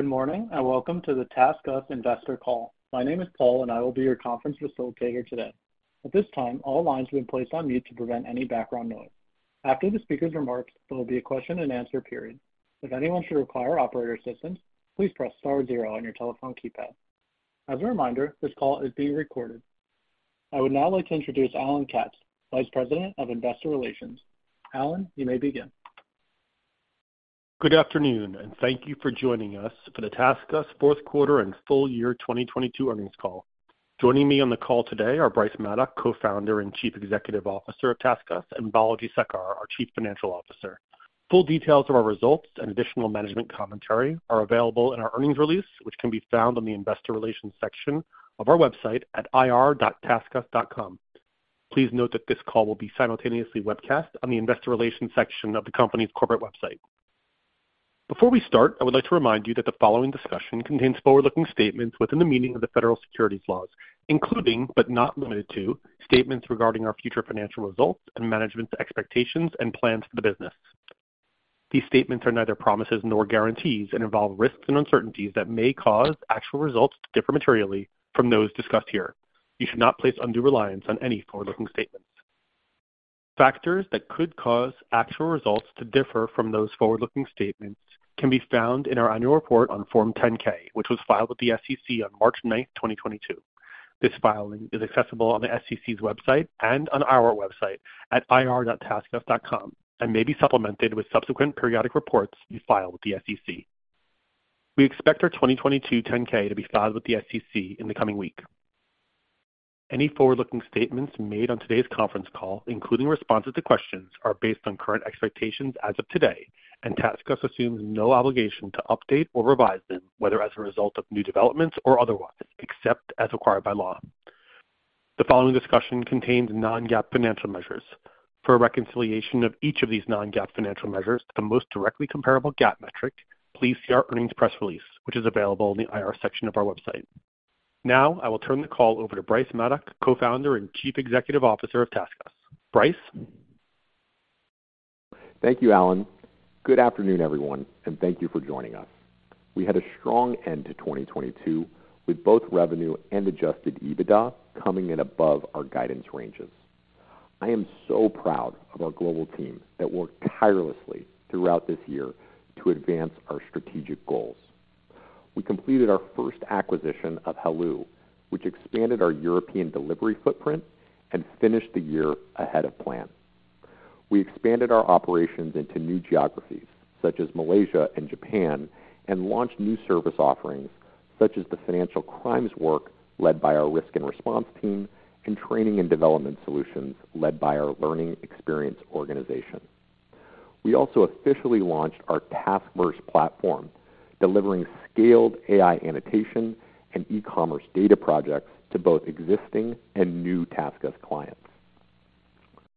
Good morning. Welcome to the TaskUs investor call. My name is Paul, and I will be your conference facilitator today. At this time, all lines have been placed on mute to prevent any background noise. After the speaker's remarks, there will be a question and answer period. If anyone should require operator assistance, please press star zero on your telephone keypad. As a reminder, this call is being recorded. I would now like to introduce Alan Katz, Vice President of Investor Relations. Alan, you may begin. Good afternoon, thank you for joining us for the TaskUs fourth quarter and full year 2022 earnings call. Joining me on the call today are Bryce Maddock, Co-founder and Chief Executive Officer of TaskUs, and Balaji Sekar, our Chief Financial Officer. Full details of our results and additional management commentary are available in our earnings release, which can be found on the investor relations section of our website at ir.taskus.com. Please note that this call will be simultaneously webcast on the investor relations section of the company's corporate website. Before we start, I would like to remind you that the following discussion contains forward-looking statements within the meaning of the federal securities laws, including, but not limited to, statements regarding our future financial results and management's expectations and plans for the business. These statements are neither promises nor guarantees and involve risks and uncertainties that may cause actual results to differ materially from those discussed here. You should not place undue reliance on any forward-looking statements. Factors that could cause actual results to differ from those forward-looking statements can be found in our annual report on Form 10-K, which was filed with the SEC on March 9, 2022. This filing is accessible on the SEC's website and on our website at ir.taskus.com, and may be supplemented with subsequent periodic reports we file with the SEC. We expect our 2022 10-K to be filed with the SEC in the coming week. Any forward-looking statements made on today's conference call, including responses to questions, are based on current expectations as of today, and TaskUs assumes no obligation to update or revise them, whether as a result of new developments or otherwise, except as required by law. The following discussion contains non-GAAP financial measures. For a reconciliation of each of these non-GAAP financial measures to the most directly comparable GAAP metric, please see our earnings press release, which is available in the IR section of our website. Now, I will turn the call over to Bryce Maddock, Co-founder and Chief Executive Officer of TaskUs. Bryce? Thank you, Alan. Good afternoon, everyone, and thank you for joining us. We had a strong end to 2022 with both revenue and adjusted EBITDA coming in above our guidance ranges. I am so proud of our global team that worked tirelessly throughout this year to advance our strategic goals. We completed our first acquisition of heloo, which expanded our European delivery footprint and finished the year ahead of plan. We expanded our operations into new geographies such as Malaysia and Japan, and launched new service offerings such as the financial crimes work led by our risk and response team and training and development solutions led by our learning experience organization. We also officially launched our TaskVerse platform, delivering scaled AI annotation and e-commerce data projects to both existing and new TaskUs clients.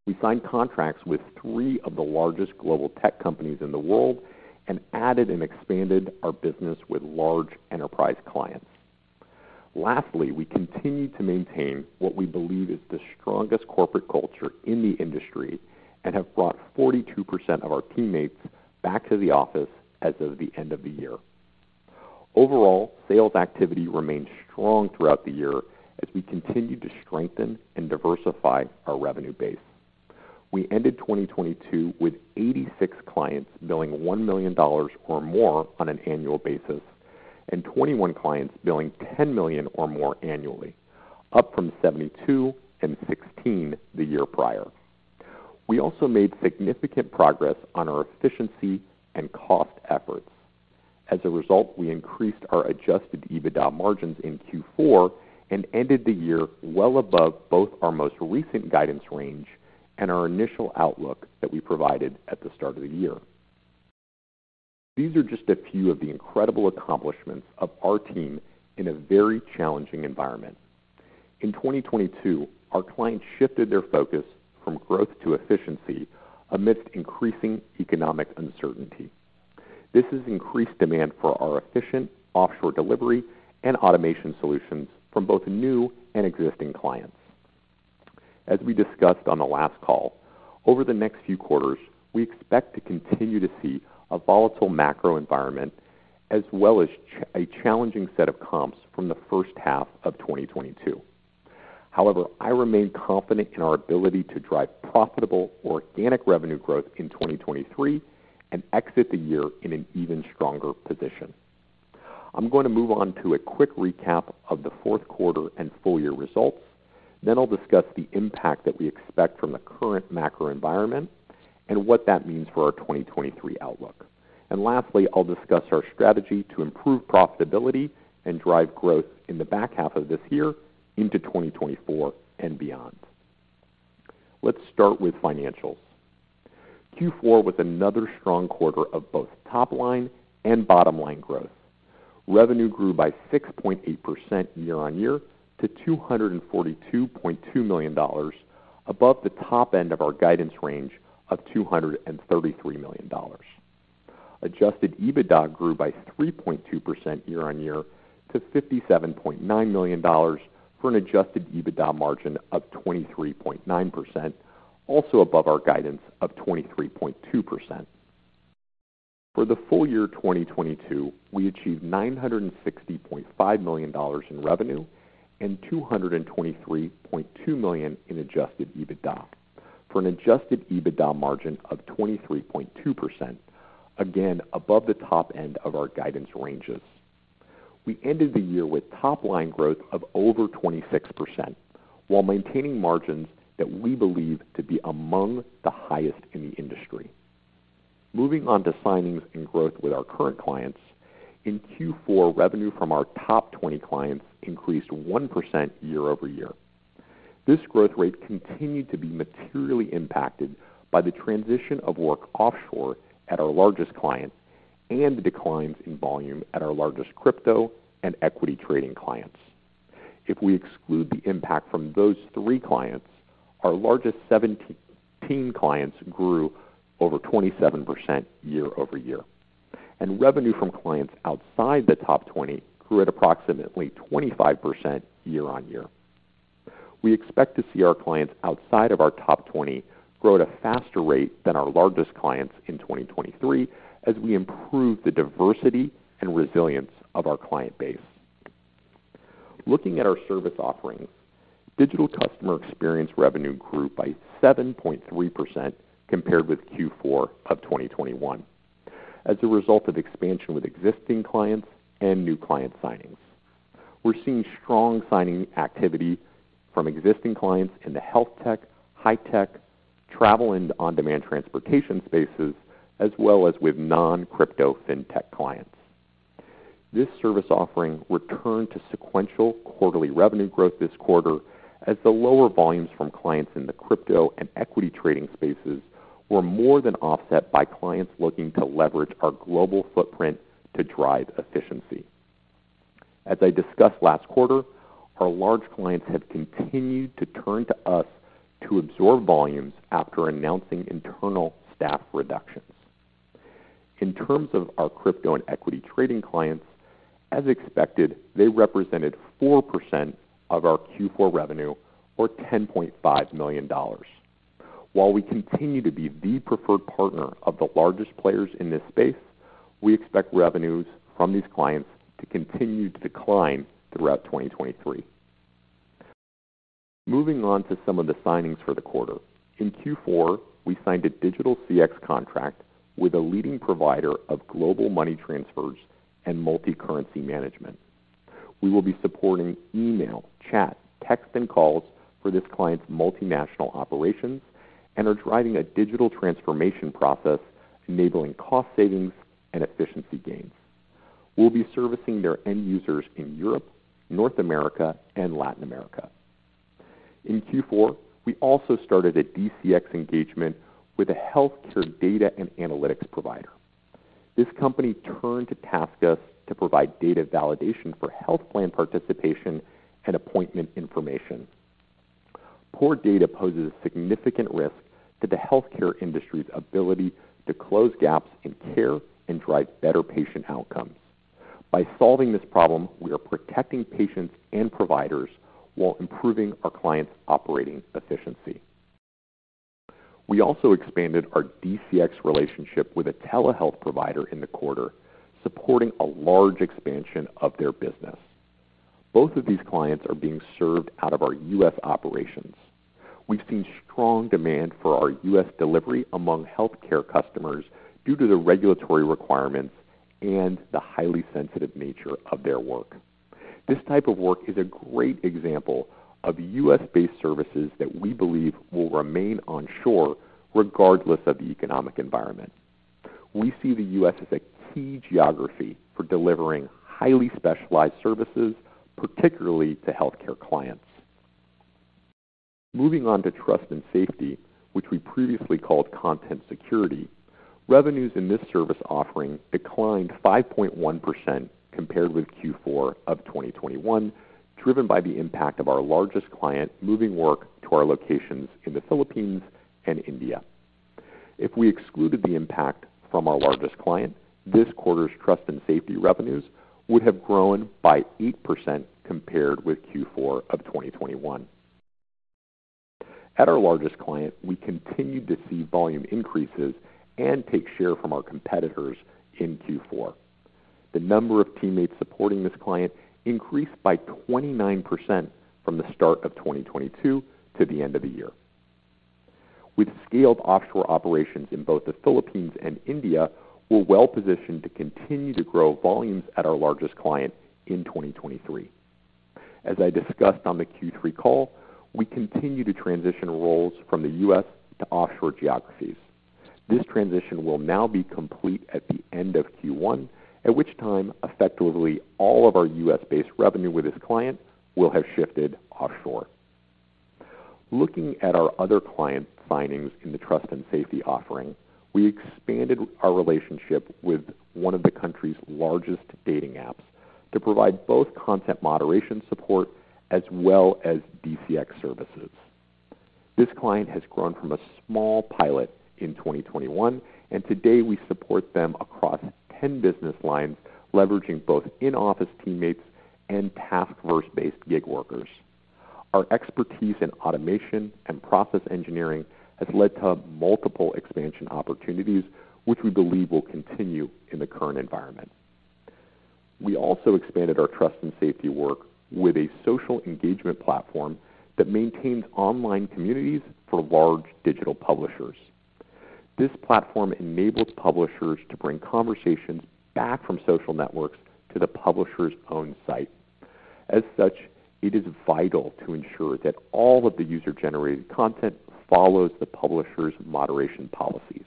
We signed contracts with three of the largest global tech companies in the world and added and expanded our business with large enterprise clients. Lastly, we continue to maintain what we believe is the strongest corporate culture in the industry and have brought 42% of our teammates back to the office as of the end of the year. Overall, sales activity remained strong throughout the year as we continued to strengthen and diversify our revenue base. We ended 2022 with 86 clients billing $1 million or more on an annual basis, and 21 clients billing $10 million or more annually, up from 72 and 16 the year prior. We also made significant progress on our efficiency and cost efforts. As a result, we increased our adjusted EBITDA margins in Q4 and ended the year well above both our most recent guidance range and our initial outlook that we provided at the start of the year. These are just a few of the incredible accomplishments of our team in a very challenging environment. In 2022, our clients shifted their focus from growth to efficiency amidst increasing economic uncertainty. This has increased demand for our efficient offshore delivery and automation solutions from both new and existing clients. As we discussed on the last call, over the next few quarters, we expect to continue to see a volatile macro environment as well as a challenging set of comps from the first half of 2022. However, I remain confident in our ability to drive profitable organic revenue growth in 2023 and exit the year in an even stronger position. I'm going to move on to a quick recap of the fourth quarter and full year results. I'll discuss the impact that we expect from the current macro environment and what that means for our 2023 outlook. Lastly, I'll discuss our strategy to improve profitability and drive growth in the back half of this year into 2024 and beyond. Let's start with financials. Q4 was another strong quarter of both top line and bottom line growth. Revenue grew by 6.8% year-on-year to $242.2 million, above the top end of our guidance range of $233 million. Adjusted EBITDA grew by 3.2% year-on-year to $57.9 million for an adjusted EBITDA margin of 23.9%. Also above our guidance of 23.2%. For the full year 2022, we achieved $960.5 million in revenue and $223.2 million in adjusted EBITDA for an adjusted EBITDA margin of 23.2%. Above the top end of our guidance ranges. We ended the year with top line growth of over 26% while maintaining margins that we believe to be among the highest in the industry. Moving on to signings and growth with our current clients. In Q4, revenue from our top 20 clients increased 1% year-over-year. This growth rate continued to be materially impacted by the transition of work offshore at our largest client and the declines in volume at our largest crypto and equity trading clients. If we exclude the impact from those three clients, our largest 17 clients grew over 27% year-over-year. Revenue from clients outside the top 20 grew at approximately 25% year-on-year. We expect to see our clients outside of our top 20 grow at a faster rate than our largest clients in 2023 as we improve the diversity and resilience of our client base. Looking at our service offerings, Digital CX revenue grew by 7.3% compared with Q4 of 2021 as a result of expansion with existing clients and new client signings. We're seeing strong signing activity from existing clients in the health tech, high tech, travel, and on-demand transportation spaces, as well as with non-crypto fintech clients. This service offering returned to sequential quarterly revenue growth this quarter as the lower volumes from clients in the crypto and equity trading spaces were more than offset by clients looking to leverage our global footprint to drive efficiency. As I discussed last quarter, our large clients have continued to turn to us to absorb volumes after announcing internal staff reductions. In terms of our crypto and equity trading clients, as expected, they represented 4% of our Q4 revenue or $10.5 million. While we continue to be the preferred partner of the largest players in this space, we expect revenues from these clients to continue to decline throughout 2023. Moving on to some of the signings for the quarter. In Q4, we signed a Digital CX contract with a leading provider of global money transfers and multi-currency management. We will be supporting email, chat, text, and calls for this client's multinational operations and are driving a digital transformation process enabling cost savings and efficiency gains. We'll be servicing their end users in Europe, North America, and Latin America. In Q4, we also started a DCX engagement with a healthcare data and analytics provider. This company turned to TaskUs to provide data validation for health plan participation and appointment information. Poor data poses significant risks to the healthcare industry's ability to close gaps in care and drive better patient outcomes. By solving this problem, we are protecting patients and providers while improving our clients' operating efficiency. We also expanded our DCX relationship with a telehealth provider in the quarter, supporting a large expansion of their business. Both of these clients are being served out of our U.S. operations. We've seen strong demand for our U.S. delivery among healthcare customers due to the regulatory requirements and the highly sensitive nature of their work. This type of work is a great example of U.S.-based services that we believe will remain onshore regardless of the economic environment. We see the U.S. as a key geography for delivering highly specialized services, particularly to healthcare clients. Moving on to trust and safety, which we previously called content security. Revenues in this service offering declined 5.1% compared with Q4 of 2021, driven by the impact of our largest client moving work to our locations in the Philippines and India. If we excluded the impact from our largest client, this quarter's trust and safety revenues would have grown by 8% compared with Q4 of 2021. At our largest client, we continued to see volume increases and take share from our competitors in Q4. The number of teammates supporting this client increased by 29% from the start of 2022 to the end of the year. With scaled offshore operations in both the Philippines and India, we're well positioned to continue to grow volumes at our largest client in 2023. As I discussed on the Q3 call, we continue to transition roles from the U.S. to offshore geographies. This transition will now be complete at the end of Q1, at which time effectively all of our U.S.-based revenue with this client will have shifted offshore. Looking at our other client signings in the trust and safety offering, we expanded our relationship with one of the country's largest dating apps to provide both content moderation support as well as DCX services. This client has grown from a small pilot in 2021. Today we support them across 10 business lines, leveraging both in-office teammates and TaskVerse-based gig workers. Our expertise in automation and process engineering has led to multiple expansion opportunities, which we believe will continue in the current environment. We also expanded our trust and safety work with a social engagement platform that maintains online communities for large digital publishers. This platform enables publishers to bring conversations back from social networks to the publisher's own site. As such, it is vital to ensure that all of the user-generated content follows the publisher's moderation policies.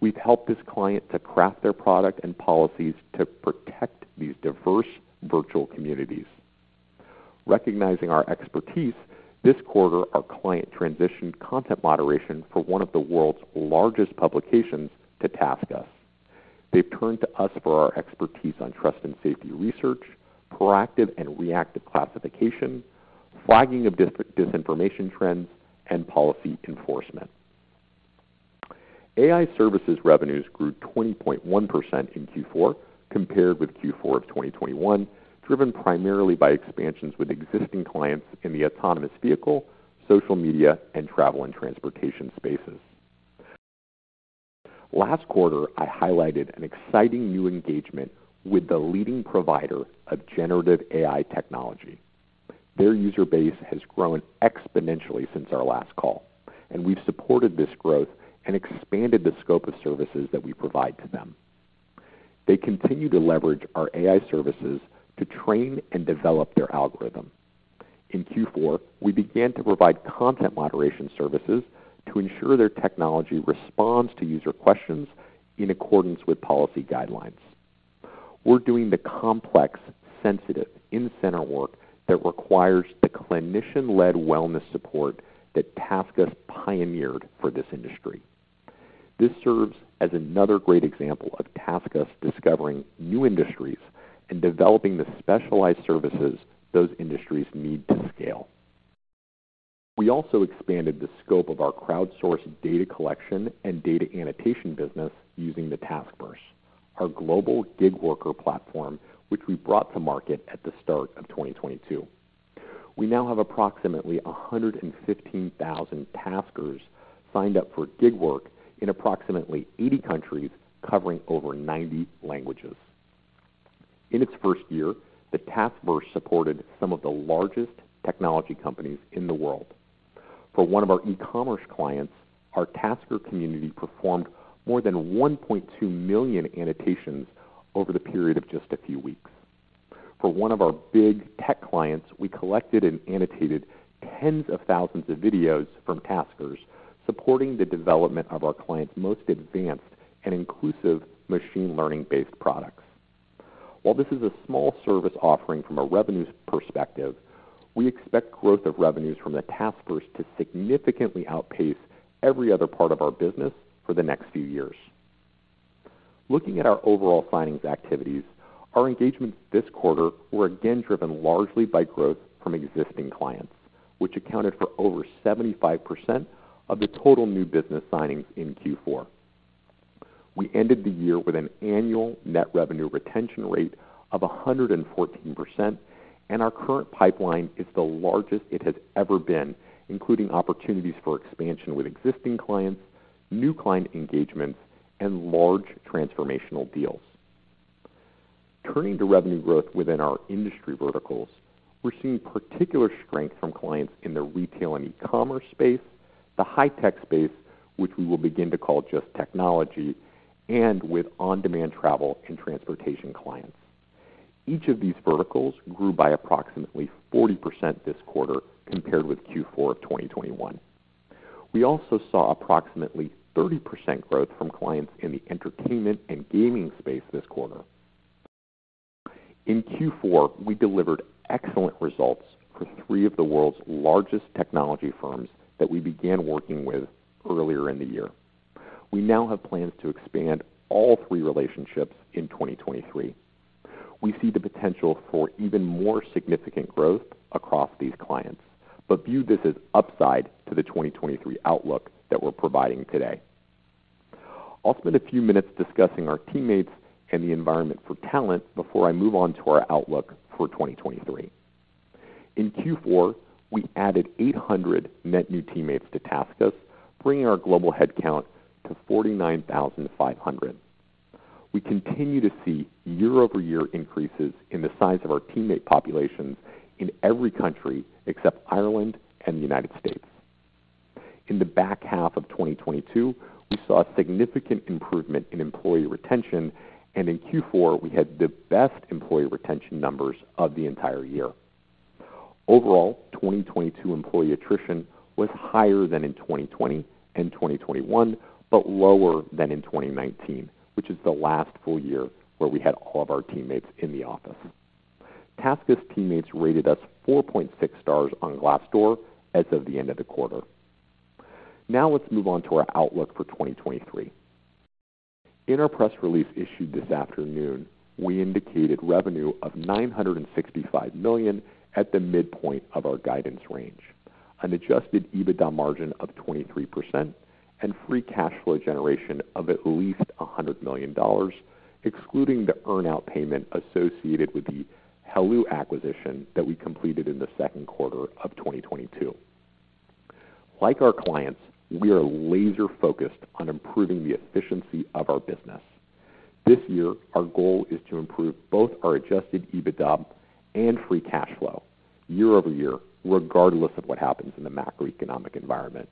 We've helped this client to craft their product and policies to protect these diverse virtual communities. Recognizing our expertise, this quarter, our client transitioned content moderation for one of the world's largest publications to TaskUs. They've turned to us for our expertise on trust and safety research, proactive and reactive classification, flagging of disinformation trends, and policy enforcement. AI services revenues grew 20.1% in Q4 compared with Q4 of 2021, driven primarily by expansions with existing clients in the autonomous vehicle, social media, and travel and transportation spaces. Last quarter, I highlighted an exciting new engagement with the leading provider of generative AI technology. Their user base has grown exponentially since our last call, and we've supported this growth and expanded the scope of services that we provide to them. They continue to leverage our AI services to train and develop their algorithm. In Q4, we began to provide content moderation services to ensure their technology responds to user questions in accordance with policy guidelines. We're doing the complex, sensitive in-center work that requires the clinician-led wellness support that TaskUs pioneered for this industry. This serves as another great example of TaskUs discovering new industries and developing the specialized services those industries need to scale. We also expanded the scope of our crowdsourced data collection and data annotation business using the TaskVerse, our global gig worker platform, which we brought to market at the start of 2022. We now have approximately 115,000 Taskers signed up for gig work in approximately 80 countries covering over 90 languages. In its first year, the TaskVerse supported some of the largest technology companies in the world. For one of our e-commerce clients, our Tasker community performed more than 1.2 million annotations over the period of just a few weeks. For one of our big tech clients, we collected and annotated tens of thousands of videos from Taskers supporting the development of our client's most advanced and inclusive machine learning-based products. While this is a small service offering from a revenues perspective, we expect growth of revenues from the TaskVerse to significantly outpace every other part of our business for the next few years. Looking at our overall signings activities, our engagements this quarter were again driven largely by growth from existing clients, which accounted for over 75% of the total new business signings in Q4. We ended the year with an annual net revenue retention rate of 114%, and our current pipeline is the largest it has ever been, including opportunities for expansion with existing clients, new client engagements, and large transformational deals. Turning to revenue growth within our industry verticals, we're seeing particular strength from clients in the retail and e-commerce space, the high-tech space, which we will begin to call just technology, and with on-demand travel and transportation clients. Each of these verticals grew by approximately 40% this quarter compared with Q4 of 2021. We also saw approximately 30% growth from clients in the entertainment and gaming space this quarter. In Q4, we delivered excellent results for three of the world's largest technology firms that we began working with earlier in the year. We now have plans to expand all three relationships in 2023. We see the potential for even more significant growth across these clients, but view this as upside to the 2023 outlook that we're providing today. I'll spend a few minutes discussing our teammates and the environment for talent before I move on to our outlook for 2023. In Q4, we added 800 net new teammates to TaskUs, bringing our global headcount to 49,500. We continue to see year-over-year increases in the size of our teammate populations in every country except Ireland and the United States. In the back half of 2022, we saw a significant improvement in employee retention, and in Q4, we had the best employee retention numbers of the entire year. Overall, 2022 employee attrition was higher than in 2020 and 2021, but lower than in 2019, which is the last full year where we had all of our teammates in the office. TaskUs teammates rated us 4.6 stars on Glassdoor as of the end of the quarter. Now let's move on to our outlook for 2023. In our press release issued this afternoon, we indicated revenue of $965 million at the midpoint of our guidance range. An adjusted EBITDA margin of 23% and free cash flow generation of at least $100 million, excluding the earnout payment associated with the heloo acquisition that we completed in the second quarter of 2022. Like our clients, we are laser-focused on improving the efficiency of our business. This year, our goal is to improve both our adjusted EBITDA and free cash flow year-over-year, regardless of what happens in the macroeconomic environment.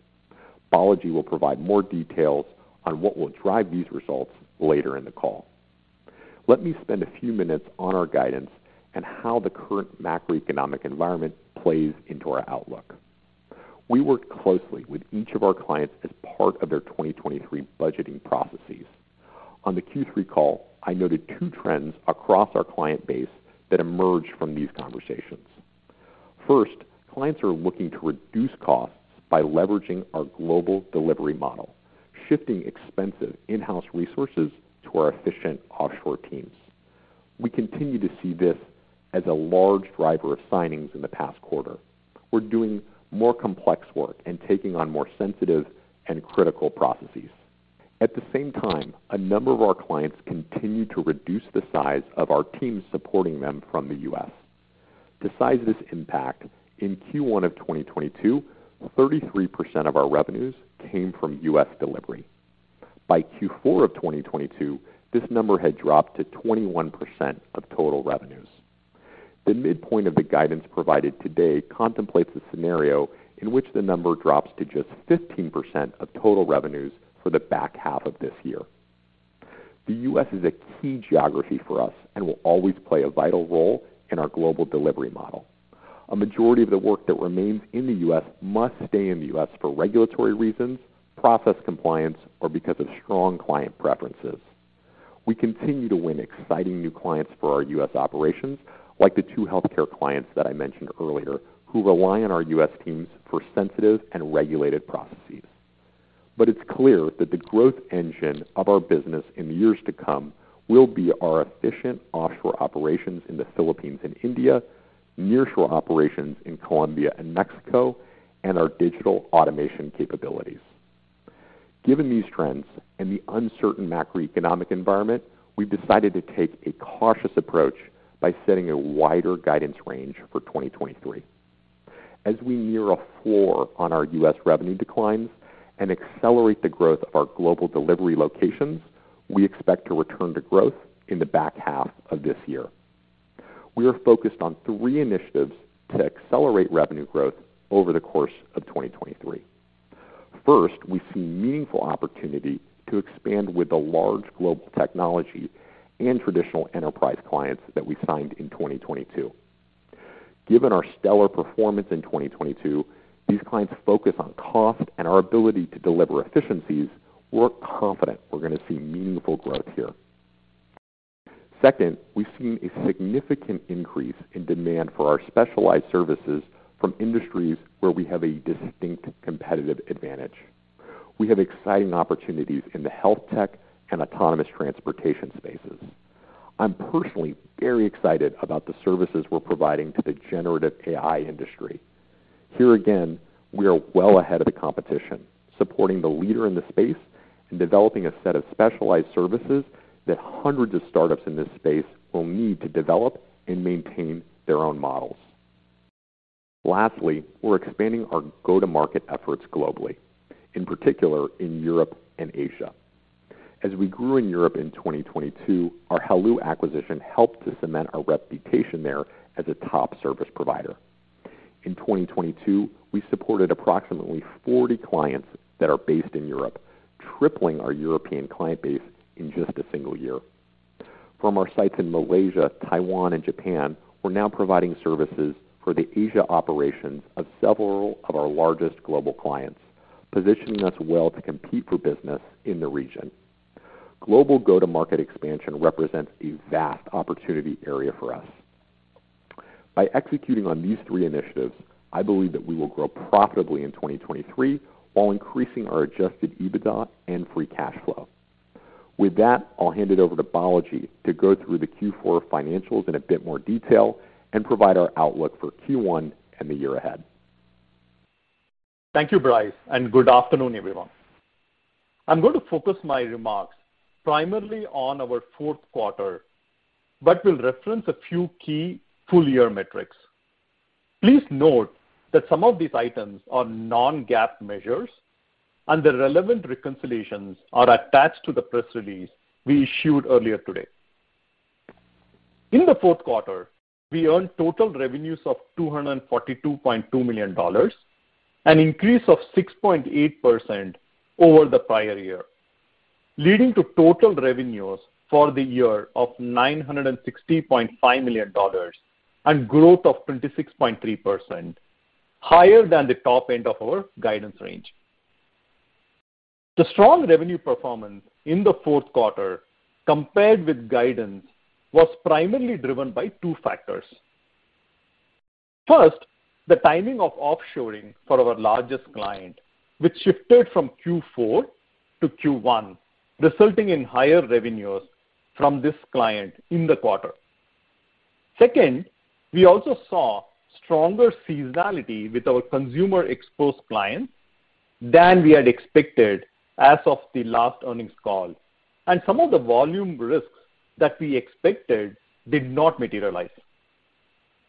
Balaji will provide more details on what will drive these results later in the call. Let me spend a few minutes on our guidance and how the current macroeconomic environment plays into our outlook. We work closely with each of our clients as part of their 2023 budgeting processes. On the Q3 call, I noted two trends across our client base that emerged from these conversations. First, clients are looking to reduce costs by leveraging our global delivery model, shifting expensive in-house resources to our efficient offshore teams. We continue to see this as a large driver of signings in the past quarter. We're doing more complex work and taking on more sensitive and critical processes. At the same time, a number of our clients continue to reduce the size of our teams supporting them from the U.S. To size this impact, in Q1 of 2022, 33% of our revenues came from U.S. delivery. By Q4 of 2022, this number had dropped to 21% of total revenues. The midpoint of the guidance provided today contemplates a scenario in which the number drops to just 15% of total revenues for the back half of this year. The U.S. is a key geography for us and will always play a vital role in our global delivery model. A majority of the work that remains in the U.S. must stay in the U.S. for regulatory reasons, process compliance, or because of strong client preferences. We continue to win exciting new clients for our U.S. operations, like the two healthcare clients that I mentioned earlier, who rely on our U.S. teams for sensitive and regulated processes. It's clear that the growth engine of our business in years to come will be our efficient offshore operations in the Philippines and India, nearshore operations in Colombia and Mexico, and our digital automation capabilities. Given these trends and the uncertain macroeconomic environment, we've decided to take a cautious approach by setting a wider guidance range for 2023. As we near a floor on our U.S. revenue declines and accelerate the growth of our global delivery locations, we expect to return to growth in the back half of this year. We are focused on three initiatives to accelerate revenue growth over the course of 2023. First, we see meaningful opportunity to expand with the large global technology and traditional enterprise clients that we signed in 2022. Given our stellar performance in 2022, these clients focus on cost and our ability to deliver efficiencies, we're confident we're gonna see meaningful growth here. Second, we've seen a significant increase in demand for our specialized services from industries where we have a distinct competitive advantage. We have exciting opportunities in the health tech and autonomous transportation spaces. I'm personally very excited about the services we're providing to the generative AI industry. Here again, we are well ahead of the competition, supporting the leader in the space and developing a set of specialized services that hundreds of startups in this space will need to develop and maintain their own models. Lastly, we're expanding our go-to-market efforts globally, in particular in Europe and Asia. As we grew in Europe in 2022, our heloo acquisition helped to cement our reputation there as a top service provider. In 2022, we supported approximately 40 clients that are based in Europe, tripling our European client base in just a single year. From our sites in Malaysia, Taiwan, and Japan, we're now providing services for the Asia operations of several of our largest global clients, positioning us well to compete for business in the region. Global go-to-market expansion represents a vast opportunity area for us. By executing on these three initiatives, I believe that we will grow profitably in 2023 while increasing our adjusted EBITDA and free cash flow. With that, I'll hand it over to Balaji to go through the Q4 financials in a bit more detail and provide our outlook for Q1 and the year ahead. Thank you, Bryce, and good afternoon, everyone. I'm going to focus my remarks primarily on our fourth quarter, but we'll reference a few key full year metrics. Please note that some of these items are non-GAAP measures, and the relevant reconciliations are attached to the press release we issued earlier today. In the fourth quarter, we earned total revenues of $242.2 million, an increase of 6.8% over the prior year, leading to total revenues for the year of $960.5 million and growth of 26.3%, higher than the top end of our guidance range. The strong revenue performance in the fourth quarter compared with guidance was primarily driven by two factors. First, the timing of offshoring for our largest client, which shifted from Q4 to Q1, resulting in higher revenues from this client in the quarter. Second, we also saw stronger seasonality with our consumer exposed clients than we had expected as of the last earnings call. Some of the volume risks that we expected did not materialize.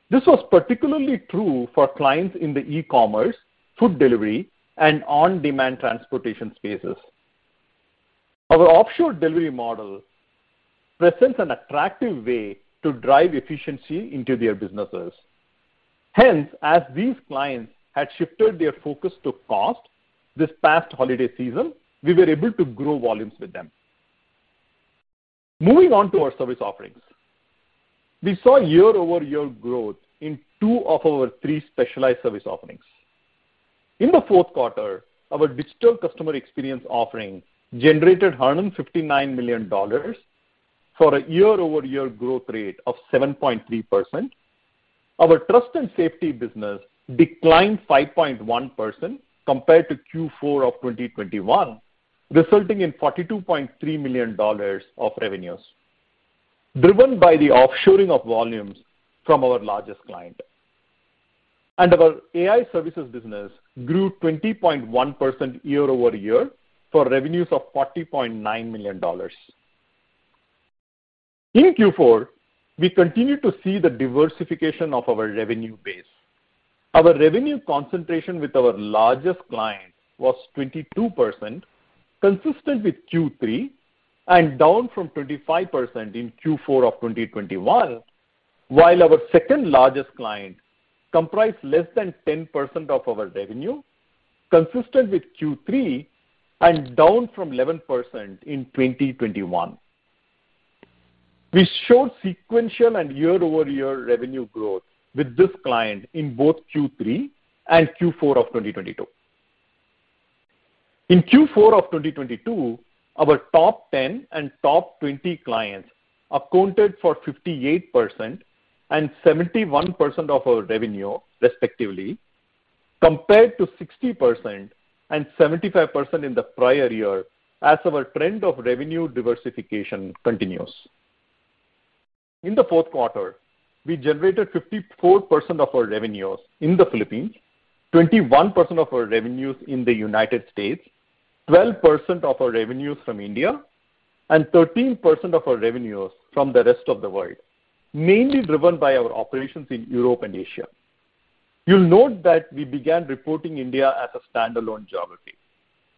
This was particularly true for clients in the e-commerce, food delivery, and on-demand transportation spaces. Our offshore delivery model presents an attractive way to drive efficiency into their businesses. Hence, as these clients had shifted their focus to cost this past holiday season, we were able to grow volumes with them. Moving on to our service offerings. We saw year-over-year growth in two of our three specialized service offerings. In the fourth quarter, our Digital Customer Experience offering generated $159 million for a year-over-year growth rate of 7.3%. Our trust and safety business declined 5.1% compared to Q4 of 2021, resulting in $42.3 million of revenues, driven by the offshoring of volumes from our largest client. Our AI services business grew 20.1% year-over-year for revenues of $40.9 million. In Q4, we continued to see the diversification of our revenue base. Our revenue concentration with our largest client was 22%, consistent with Q3 and down from 25% in Q4 of 2021, while our second largest client comprised less than 10% of our revenue, consistent with Q3 and down from 11% in 2021. We showed sequential and year-over-year revenue growth with this client in both Q3 and Q4 of 2022. In Q4 of 2022, our top 10 and top 20 clients accounted for 58% and 71% of our revenue, respectively. Compared to 60% and 75% in the prior year as our trend of revenue diversification continues. In the fourth quarter, we generated 54% of our revenues in the Philippines, 21% of our revenues in the U.S., 12% of our revenues from India, and 13% of our revenues from the rest of the world, mainly driven by our operations in Europe and Asia. You'll note that we began reporting India as a standalone geography.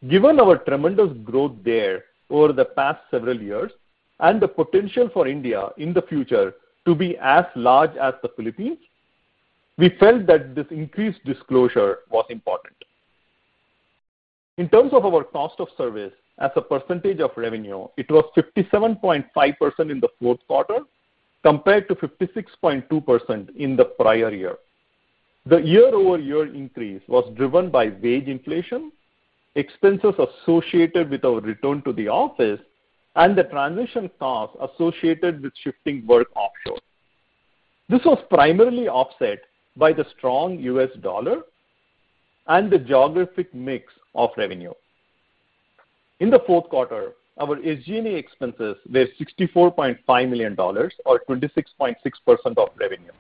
Given our tremendous growth there over the past several years and the potential for India in the future to be as large as the Philippines, we felt that this increased disclosure was important. In terms of our cost of service as a percentage of revenue, it was 57.5% in the fourth quarter, compared to 56.2% in the prior year. The year-over-year increase was driven by wage inflation, expenses associated with our return to the office, and the transition costs associated with shifting work offshore. This was primarily offset by the strong U.S. dollar and the geographic mix of revenue. In the fourth quarter, our SG&A expenses were $64.5 million or 26.6% of revenue.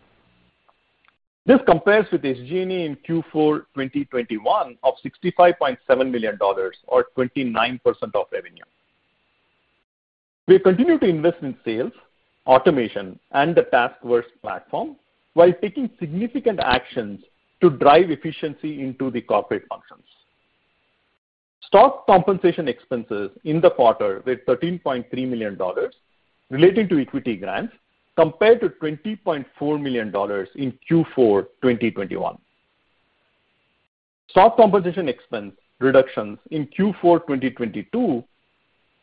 This compares with SG&A in Q4 2021 of $65.7 million or 29% of revenue. We continue to invest in sales, automation, and the TaskUs platform while taking significant actions to drive efficiency into the corporate functions. Stock compensation expenses in the quarter were $13.3 million relating to equity grants compared to $20.4 million in Q4 2021. Stock compensation expense reductions in Q4 2022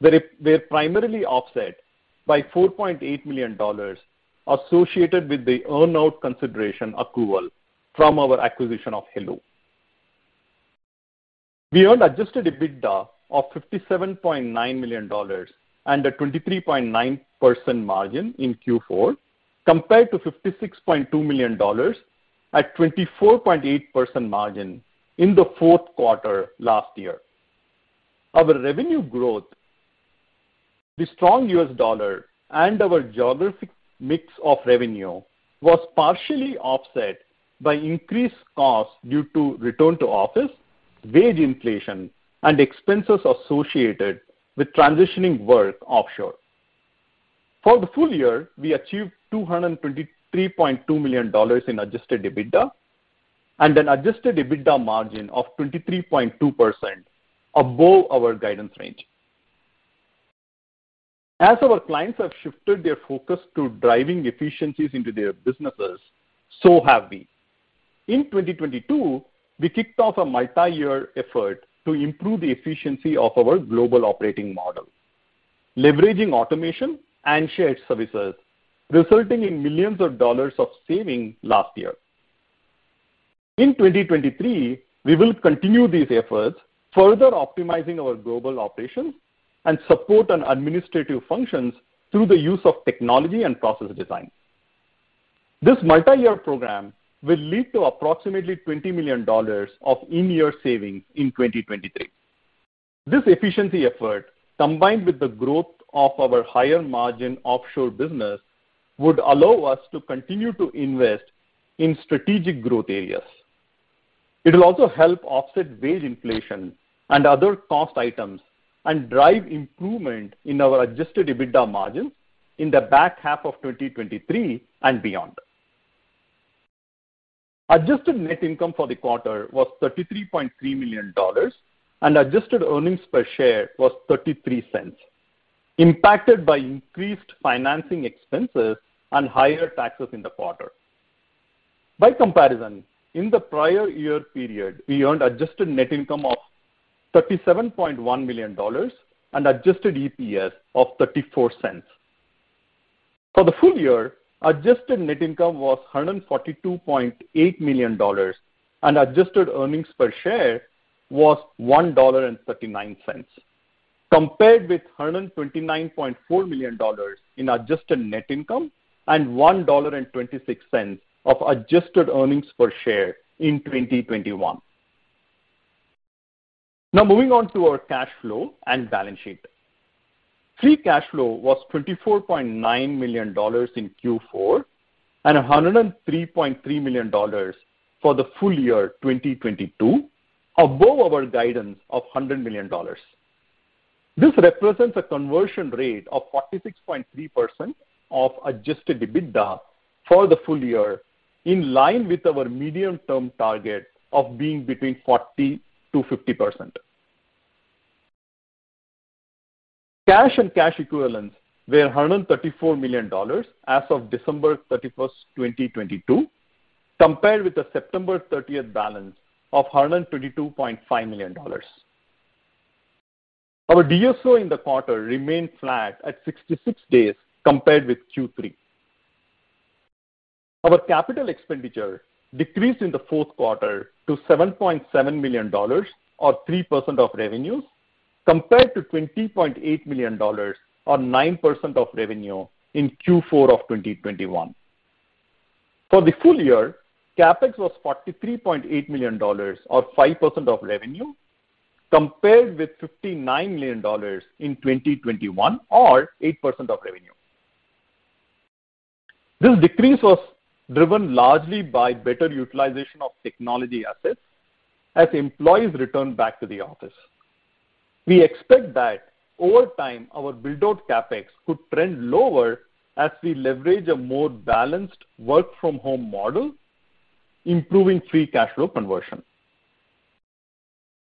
were primarily offset by $4.8 million associated with the earn-out consideration accrual from our acquisition of heloo. We earned adjusted EBITDA of $57.9 million and a 23.9% margin in Q4, compared to $56.2 million at 24.8% margin in the fourth quarter last year. Our revenue growth, the strong U.S. dollar, and our geographic mix of revenue was partially offset by increased costs due to return to office, wage inflation, and expenses associated with transitioning work offshore. For the full year, we achieved $223.2 million in adjusted EBITDA and an adjusted EBITDA margin of 23.2% above our guidance range. As our clients have shifted their focus to driving efficiencies into their businesses, so have we. In 2022, we kicked off a multi-year effort to improve the efficiency of our global operating model, leveraging automation and shared services, resulting in millions of dollars of savings last year. In 2023, we will continue these efforts, further optimizing our global operations and support and administrative functions through the use of technology and process design. This multi-year program will lead to approximately $20 million of in-year savings in 2023. This efficiency effort, combined with the growth of our higher margin offshore business, would allow us to continue to invest in strategic growth areas. It will also help offset wage inflation and other cost items and drive improvement in our adjusted EBITDA margin in the back half of 2023 and beyond. Adjusted net income for the quarter was $33.3 million and adjusted earnings per share was $0.33, impacted by increased financing expenses and higher taxes in the quarter. By comparison, in the prior year period, we earned adjusted net income of $37.1 million and adjusted EPS of $0.34. For the full year, adjusted net income was $142.8 million and adjusted earnings per share was $1.39, compared with $129.4 million in adjusted net income and $1.26 of adjusted earnings per share in 2021. Now moving on to our cash flow and balance sheet. Free cash flow was $24.9 million in Q4 and $103.3 million for the full year 2022, above our guidance of $100 million. This represents a conversion rate of 46.3% of adjusted EBITDA for the full year, in line with our medium-term target of being between 40%-50%. Cash and cash equivalents were $134 million as of December 31st, 2022, compared with the September 30th balance of $122.5 million. Our DSO in the quarter remained flat at 66 days compared with Q3. Our CapEx decreased in the fourth quarter to $7.7 million or 3% of revenues, compared to $20.8 million or 9% of revenue in Q4 of 2021. For the full year, CapEx was $43.8 million or 5% of revenue, compared with $59 million in 2021 or 8% of revenue. This decrease was driven largely by better utilization of technology assets as employees return back to the office. We expect that over time, our build-out CapEx could trend lower as we leverage a more balanced work-from-home model, improving free cash flow conversion.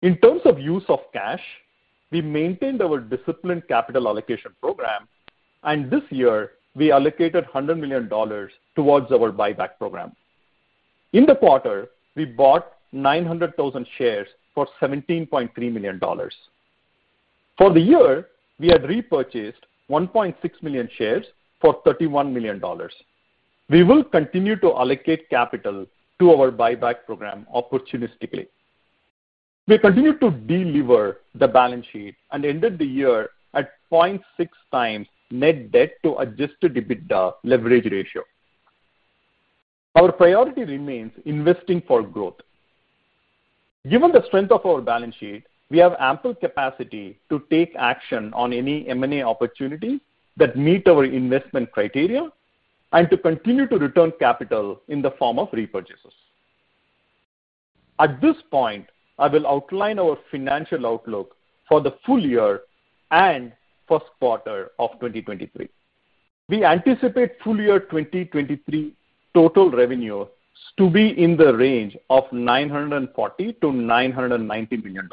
In terms of use of cash, we maintained our disciplined capital allocation program, and this year we allocated $100 million towards our buyback program. In the quarter, we bought 900,000 shares for $17.3 million. For the year, we have repurchased 1.6 million shares for $31 million. We will continue to allocate capital to our buyback program opportunistically. We continue to delever the balance sheet and ended the year at 0.6 times net debt to adjusted EBITDA leverage ratio. Our priority remains investing for growth. Given the strength of our balance sheet, we have ample capacity to take action on any M&A opportunity that meet our investment criteria and to continue to return capital in the form of repurchases. At this point, I will outline our financial outlook for the full year and first quarter of 2023. We anticipate full year 2023 total revenues to be in the range of $940 million-$990 million.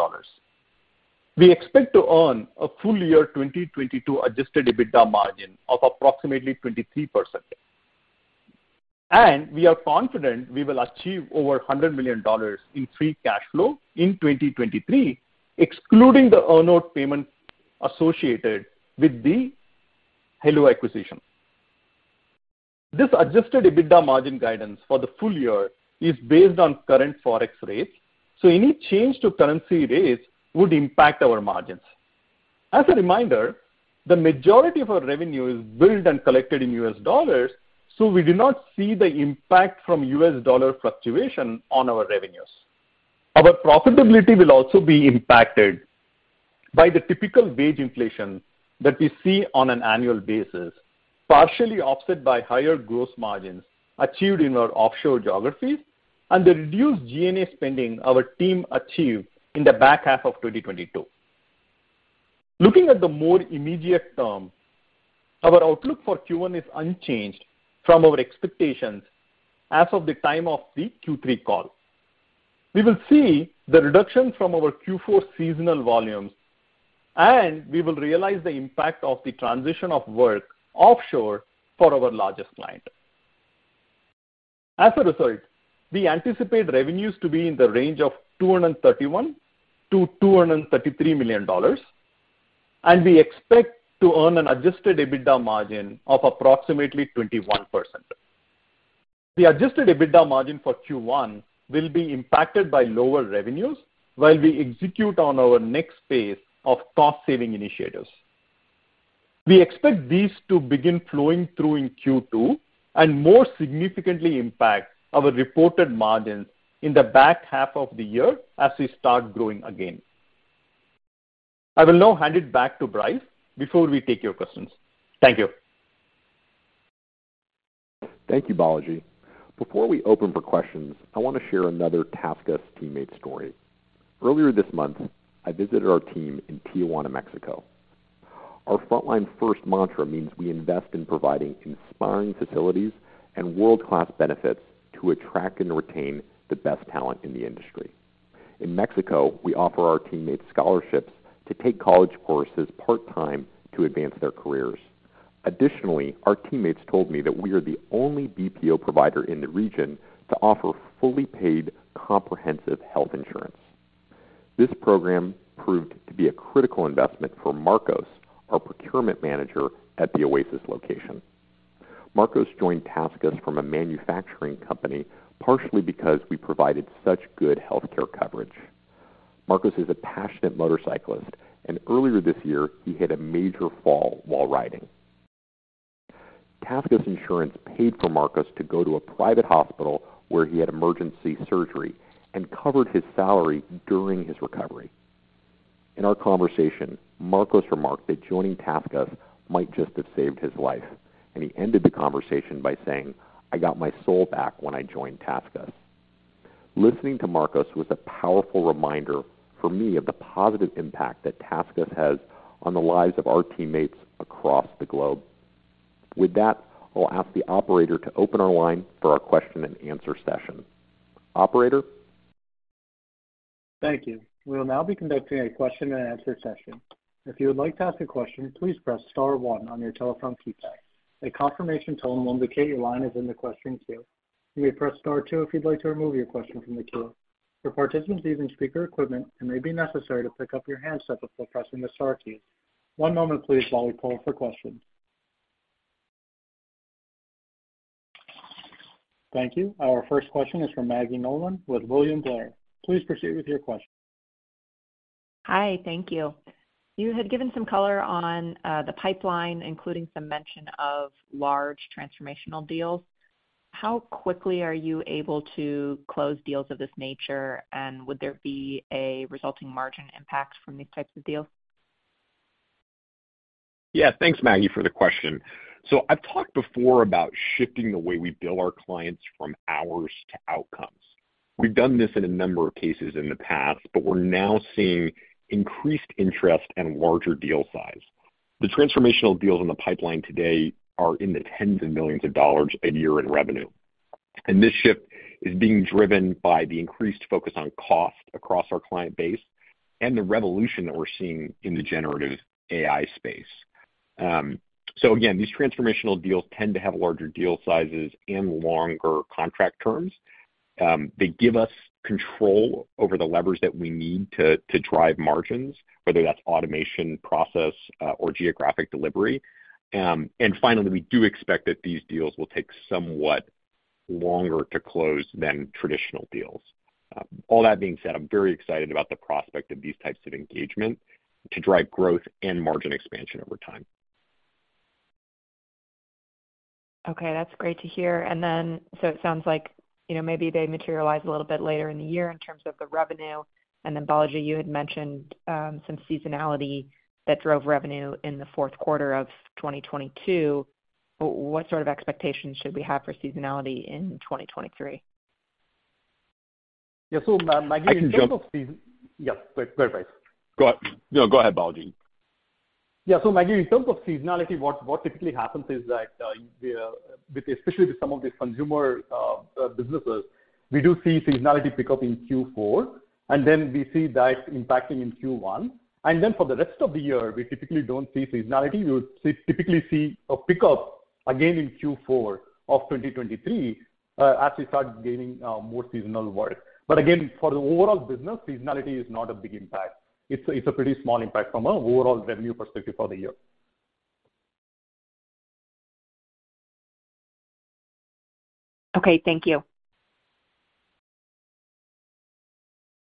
We expect to earn a full year 2022 adjusted EBITDA margin of approximately 23%. We are confident we will achieve over $100 million in free cash flow in 2023, excluding the earn out payment associated with the heloo acquisition. This adjusted EBITDA margin guidance for the full year is based on current Forex rates, so any change to currency rates would impact our margins. As a reminder, the majority of our revenue is billed and collected in U.S. dollars, so we do not see the impact from U.S. dollar fluctuation on our revenues. Our profitability will also be impacted by the typical wage inflation that we see on an annual basis, partially offset by higher gross margins achieved in our offshore geographies and the reduced G&A spending our team achieved in the back half of 2022. Looking at the more immediate term, our outlook for Q1 is unchanged from our expectations as of the time of the Q3 call. We will see the reduction from our Q4 seasonal volumes, and we will realize the impact of the transition of work offshore for our largest client. As a result, we anticipate revenues to be in the range of $231 million-$233 million. We expect to earn an adjusted EBITDA margin of approximately 21%. The adjusted EBITDA margin for Q1 will be impacted by lower revenues while we execute on our next phase of cost saving initiatives. We expect these to begin flowing through in Q2 and more significantly impact our reported margins in the back half of the year as we start growing again. I will now hand it back to Bryce before we take your questions. Thank you. Thank you, Balaji. Before we open for questions, I wanna share another TaskUs teammate story. Earlier this month, I visited our team in Tijuana, Mexico. Our Frontline First mantra means we invest in providing inspiring facilities and world-class benefits to attract and retain the best talent in the industry. In Mexico, we offer our teammates scholarships to take college courses part-time to advance their careers. Additionally, our teammates told me that we are the only BPO provider in the region to offer fully paid comprehensive health insurance. This program proved to be a critical investment for Marcos, our procurement manager at the Oasis location. Marcos joined TaskUs from a manufacturing company, partially because we provided such good healthcare coverage. Marcos is a passionate motorcyclist, and earlier this year, he had a major fall while riding. TaskUs insurance paid for Marcos to go to a private hospital where he had emergency surgery and covered his salary during his recovery. In our conversation, Marcos remarked that joining TaskUs might just have saved his life, and he ended the conversation by saying, "I got my soul back when I joined TaskUs." Listening to Marcos was a powerful reminder for me of the positive impact that TaskUs has on the lives of our teammates across the globe. With that, I'll ask the operator to open our line for our question and answer session. Operator? Thank you. We will now be conducting a question and answer session. If you would like to ask a question, please press star one on your telephone keypad. A confirmation tone will indicate your line is in the question queue. You may press star two if you'd like to remove your question from the queue. For participants using speaker equipment, it may be necessary to pick up your handset before pressing the star key. One moment please while we poll for questions. Thank you. Our first question is from Maggie Nolan with William Blair. Please proceed with your question. Hi. Thank you. You had given some color on the pipeline, including some mention of large transformational deals. How quickly are you able to close deals of this nature? Would there be a resulting margin impact from these types of deals? Yeah. Thanks, Maggie, for the question. I've talked before about shifting the way we bill our clients from hours to outcomes. We've done this in a number of cases in the past, but we're now seeing increased interest and larger deal size. The transformational deals in the pipeline today are in the tens of millions of dollars a year in revenue, this shift is being driven by the increased focus on cost across our client base and the revolution that we're seeing in the generative AI space. Again, these transformational deals tend to have larger deal sizes and longer contract terms. They give us control over the levers that we need to drive margins, whether that's automation process or geographic delivery. Finally, we do expect that these deals will take somewhat longer to close than traditional deals. All that being said, I'm very excited about the prospect of these types of engagement to drive growth and margin expansion over time. Okay. That's great to hear. It sounds like, you know, maybe they materialize a little bit later in the year in terms of the revenue. Balaji, you had mentioned, some seasonality that drove revenue in the fourth quarter of 2022. What sort of expectations should we have for seasonality in 2023? Yeah. Maggie, I can jump- Yeah. Go ahead, Bryce. No, go ahead, Balaji. Maggie, in terms of seasonality, what typically happens is that we with especially with some of these consumer businesses, we do see seasonality pick up in Q4, and then we see that impacting in Q1. For the rest of the year, we typically don't see seasonality. typically see a pickup again in Q4 of 2023 as we start gaining more seasonal work. Again, for the overall business, seasonality is not a big impact. It's a pretty small impact from a overall revenue perspective for the year. Okay, thank you.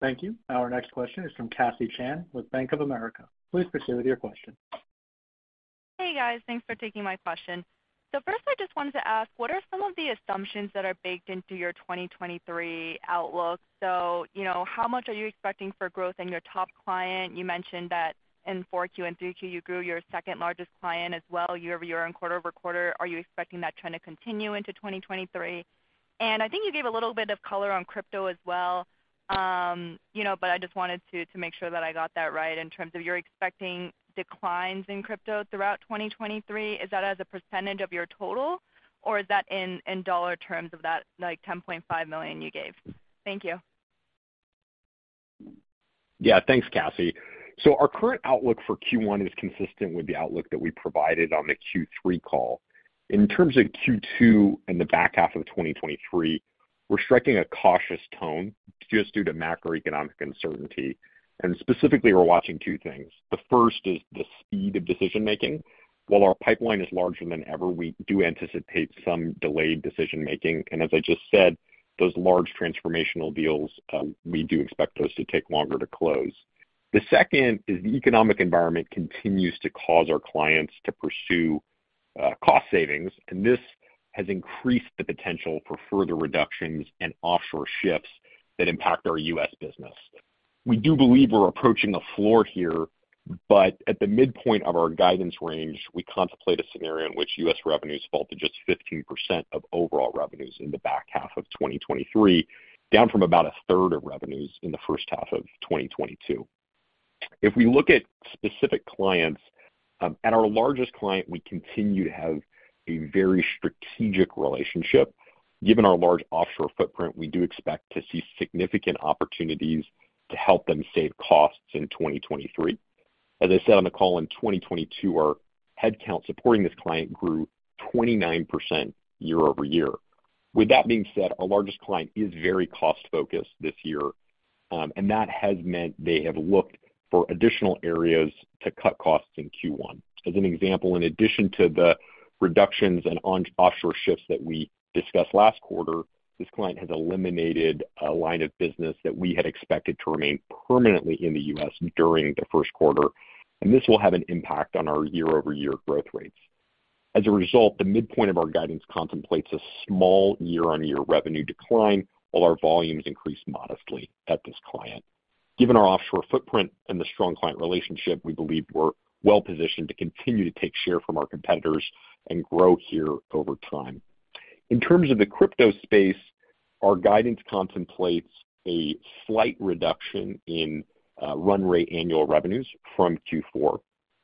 Thank you. Our next question is from Cassie Chan with Bank of America. Please proceed with your question. Hey, guys. Thanks for taking my question. First, I just wanted to ask, what are some of the assumptions that are baked into your 2023 outlook? You know, how much are you expecting for growth in your top client? You mentioned that in 4Q and 3Q, you grew your second-largest client as well, year-over-year and quarter-over-quarter. Are you expecting that trend to continue into 2023? I think you gave a little bit of color on crypto as well, you know, I just wanted to make sure that I got that right in terms of you're expecting declines in crypto throughout 2023. Is that as a percentage of your total, or is that in dollar terms of that, like, $10.5 million you gave? Thank you. Thanks, Cassie. Our current outlook for Q1 is consistent with the outlook that we provided on the Q3 call. In terms of Q2 and the back half of 2023, we're striking a cautious tone just due to macroeconomic uncertainty. Specifically, we're watching two things. The first is the speed of decision-making. While our pipeline is larger than ever, we do anticipate some delayed decision-making. As I just said, those large transformational deals, we do expect those to take longer to close. The second is the economic environment continues to cause our clients to pursue cost savings, and this has increased the potential for further reductions and offshore shifts that impact our U.S. business. We do believe we're approaching a floor here. At the midpoint of our guidance range, we contemplate a scenario in which U.S. revenues fall to just 15% of overall revenues in the back half of 2023, down from about a third of revenues in the first half of 2022. If we look at specific clients, at our largest client, we continue to have a very strategic relationship. Given our large offshore footprint, we do expect to see significant opportunities to help them save costs in 2023. As I said on the call in 2022, our headcount supporting this client grew 29% year-over-year. With that being said, our largest client is very cost-focused this year. That has meant they have looked for additional areas to cut costs in Q1. As an example, in addition to the reductions and on- offshore shifts that we discussed last quarter, this client has eliminated a line of business that we had expected to remain permanently in the U.S. during the first quarter, and this will have an impact on our year-over-year growth rates. The midpoint of our guidance contemplates a small year-on-year revenue decline, while our volumes increase modestly at this client. Given our offshore footprint and the strong client relationship, we believe we're well-positioned to continue to take share from our competitors and grow here over time. In terms of the crypto space, our guidance contemplates a slight reduction in run rate annual revenues from Q4.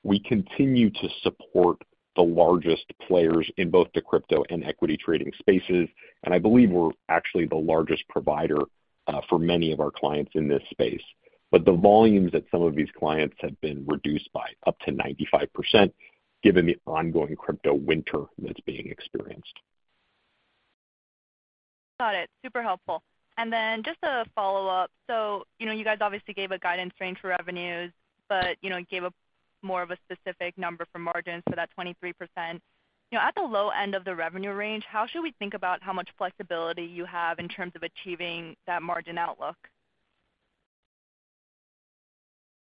We continue to support the largest players in both the crypto and equity trading spaces, and I believe we're actually the largest provider for many of our clients in this space. The volumes at some of these clients have been reduced by up to 95% given the ongoing crypto winter that's being experienced. Got it. Super helpful. Just a follow-up. You know, you guys obviously gave a guidance range for revenues, but, you know, gave a more of a specific number for margins, so that 23%. You know, at the low end of the revenue range, how should we think about how much flexibility you have in terms of achieving that margin outlook?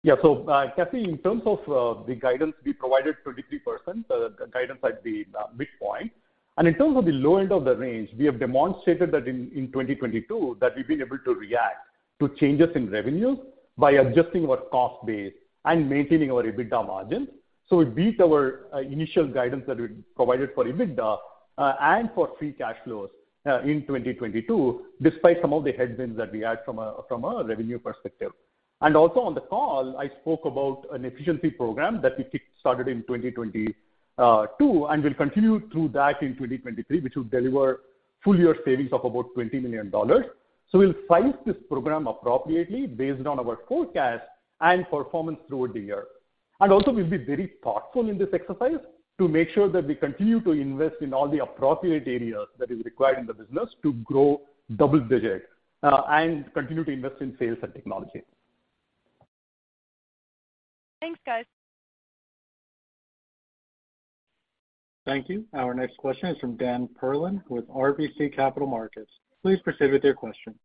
Yeah. Cassie, in terms of the guidance, we provided 23% guidance at the midpoint. In terms of the low end of the range, we have demonstrated that in 2022 that we've been able to react to changes in revenues by adjusting our cost base and maintaining our EBITDA margins. We beat our initial guidance that we provided for EBITDA and for free cash flows in 2022, despite some of the headwinds that we had from a, from a revenue perspective. Also on the call, I spoke about an efficiency program that we kick-started in 2022, and we'll continue through that in 2023, which will deliver full year savings of about $20 million. We'll size this program appropriately based on our forecast and performance throughout the year. Also we'll be very thoughtful in this exercise to make sure that we continue to invest in all the appropriate areas that is required in the business to grow double digits, and continue to invest in sales and technology. Thanks, guys. Thank you. Our next question is from Dan Perlin with RBC Capital Markets. Please proceed with your question.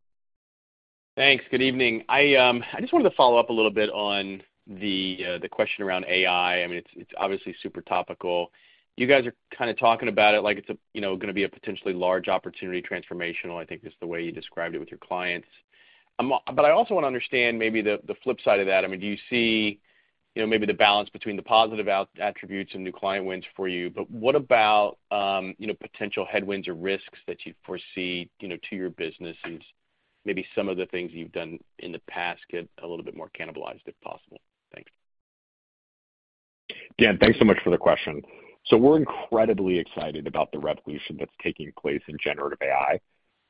Thanks. Good evening. I just wanted to follow up a little bit on the question around AI. I mean, it's obviously super topical. You guys are kinda talking about it like it's a, you know, gonna be a potentially large opportunity, transformational, I think, is the way you described it with your clients. I also wanna understand maybe the flip side of that. I mean, do you see, you know, maybe the balance between the positive attributes and new client wins for you, but what about, you know, potential headwinds or risks that you foresee, you know, to your business and maybe some of the things you've done in the past get a little bit more cannibalized, if possible? Thanks. Dan, thanks so much for the question. We're incredibly excited about the revolution that's taking place in generative AI.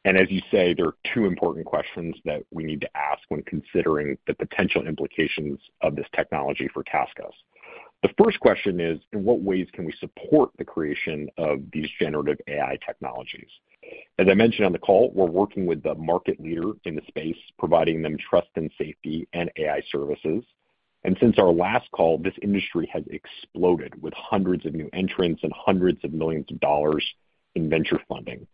As you say, there are two important questions that we need to ask when considering the potential implications of this technology for TaskUs. The first question is, in what ways can we support the creation of these generative AI technologies? As I mentioned on the call, we're working with the market leader in the space, providing them trust and safety and AI services. Since our last call, this industry has exploded with hundreds of new entrants and hundreds of millions of dollars in venture funding.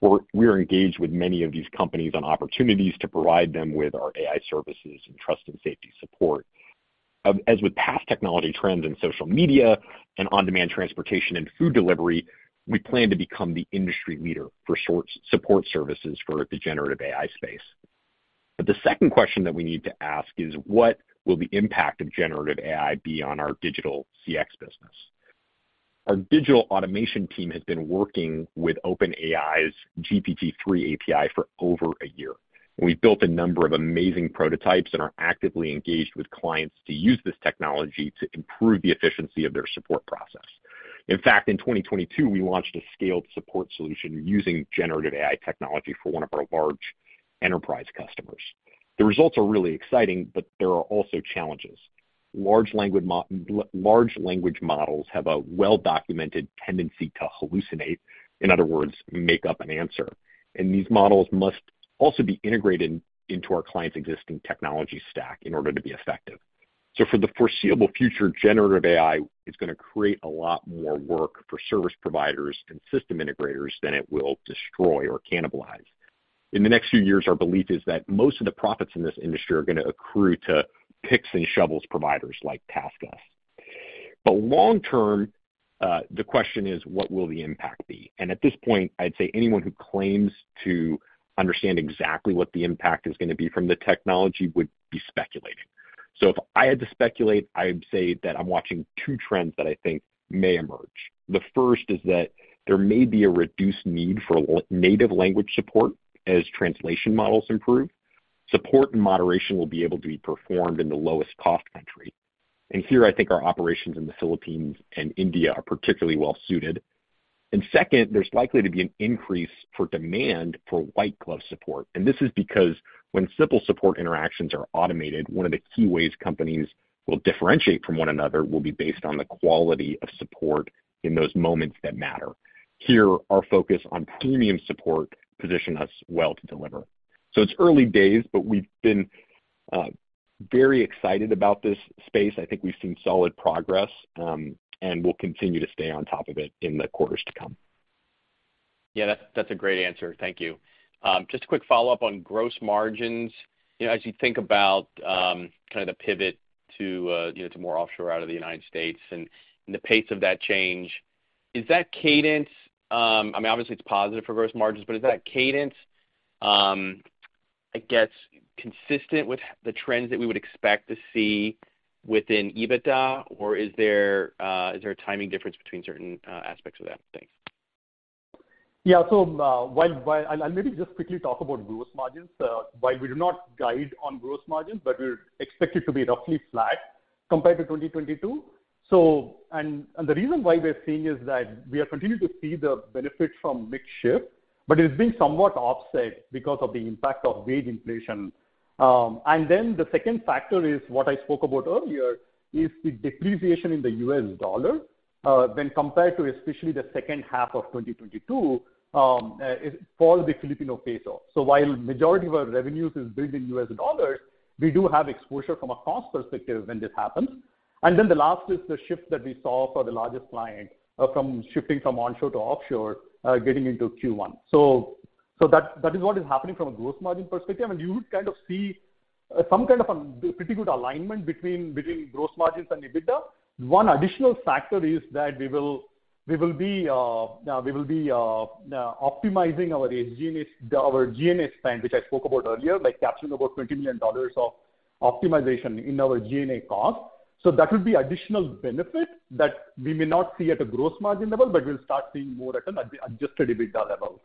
We're engaged with many of these companies on opportunities to provide them with our AI services and trust and safety support. As with past technology trends in social media and on-demand transportation and food delivery, we plan to become the industry leader for support services for the generative AI space. The second question that we need to ask is, what will the impact of generative AI be on our Digital CX business? Our digital automation team has been working with OpenAI's GPT-3 API for over a year. We've built a number of amazing prototypes and are actively engaged with clients to use this technology to improve the efficiency of their support process. In fact, in 2022, we launched a scaled support solution using generative AI technology for one of our large enterprise customers. The results are really exciting, but there are also challenges. Large language models have a well-documented tendency to hallucinate, in other words, make up an answer. These models must also be integrated into our clients' existing technology stack in order to be effective. For the foreseeable future, generative AI is gonna create a lot more work for service providers and system integrators than it will destroy or cannibalize. In the next few years, our belief is that most of the profits in this industry are gonna accrue to picks and shovels providers like TaskUs. Long term, the question is, what will the impact be? At this point, I'd say anyone who claims to understand exactly what the impact is gonna be from the technology would be speculating. If I had to speculate, I would say that I'm watching two trends that I think may emerge. The first is that there may be a reduced need for native language support as translation models improve. Support and moderation will be able to be performed in the lowest cost country. Here I think our operations in the Philippines and India are particularly well suited. Second, there's likely to be an increase for demand for white glove support. This is because when simple support interactions are automated, one of the key ways companies will differentiate from one another will be based on the quality of support in those moments that matter. Here, our focus on premium support position us well to deliver. It's early days, but we've been very excited about this space. I think we've seen solid progress, and we'll continue to stay on top of it in the quarters to come. Yeah, that's a great answer. Thank you. Just a quick follow-up on gross margins. You know, as you think about, kinda the pivot, you know, to more offshore out of the United States and the pace of that change, is that cadence... I mean, obviously it's positive for gross margins, but is that cadence, I guess, consistent with the trends that we would expect to see within EBITDA? Or is there a timing difference between certain aspects of that? Thanks. Yeah. I'll maybe just quickly talk about gross margins. While we do not guide on gross margins, but we expect it to be roughly flat compared to 2022. The reason why we're seeing is that we are continuing to see the benefit from mix shift, but it's been somewhat offset because of the impact of wage inflation. The second factor is what I spoke about earlier, is the depreciation in the U.S. dollar when compared to especially the second half of 2022 for the Filipino peso. While majority of our revenues is built in U.S. dollars, we do have exposure from a cost perspective when this happens. The last is the shift that we saw for the largest client from shifting from onshore to offshore getting into Q1. That is what is happening from a gross margin perspective. You would kind of see some kind of pretty good alignment between gross margins and EBITDA. One additional factor is that we will be optimizing our G&A spend, which I spoke about earlier, by capturing about $20 million of optimization in our G&A cost. That would be additional benefit that we may not see at a gross margin level, but we'll start seeing more at an adjusted EBITDA level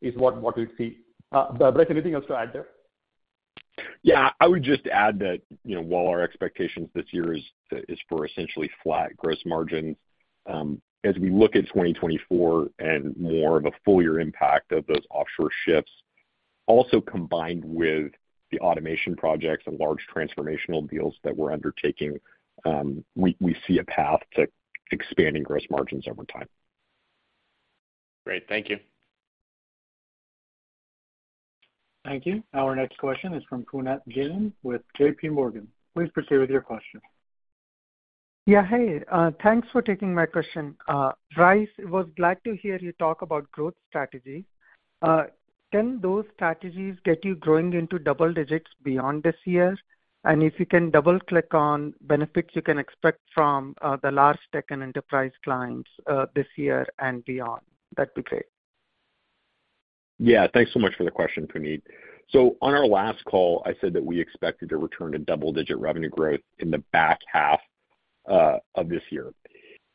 is what we'll see. Bryce, anything else to add there? Yeah. I would just add that, you know, while our expectations this year is for essentially flat gross margins, as we look at 2024 and more of a full year impact of those offshore shifts, also combined with the automation projects and large transformational deals that we're undertaking, we see a path to expanding gross margins over time. Great. Thank you. Thank you. Our next question is from Puneet Jain with JPMorgan. Please proceed with your question. Yeah. Hey, thanks for taking my question. Bryce, was glad to hear you talk about growth strategy. Can those strategies get you growing into double digits beyond this year? If you can double-click on benefits you can expect from the large tech and enterprise clients, this year and beyond, that'd be great. Yeah. Thanks so much for the question, Puneet. On our last call, I said that we expected to return to double-digit revenue growth in the back half of this year.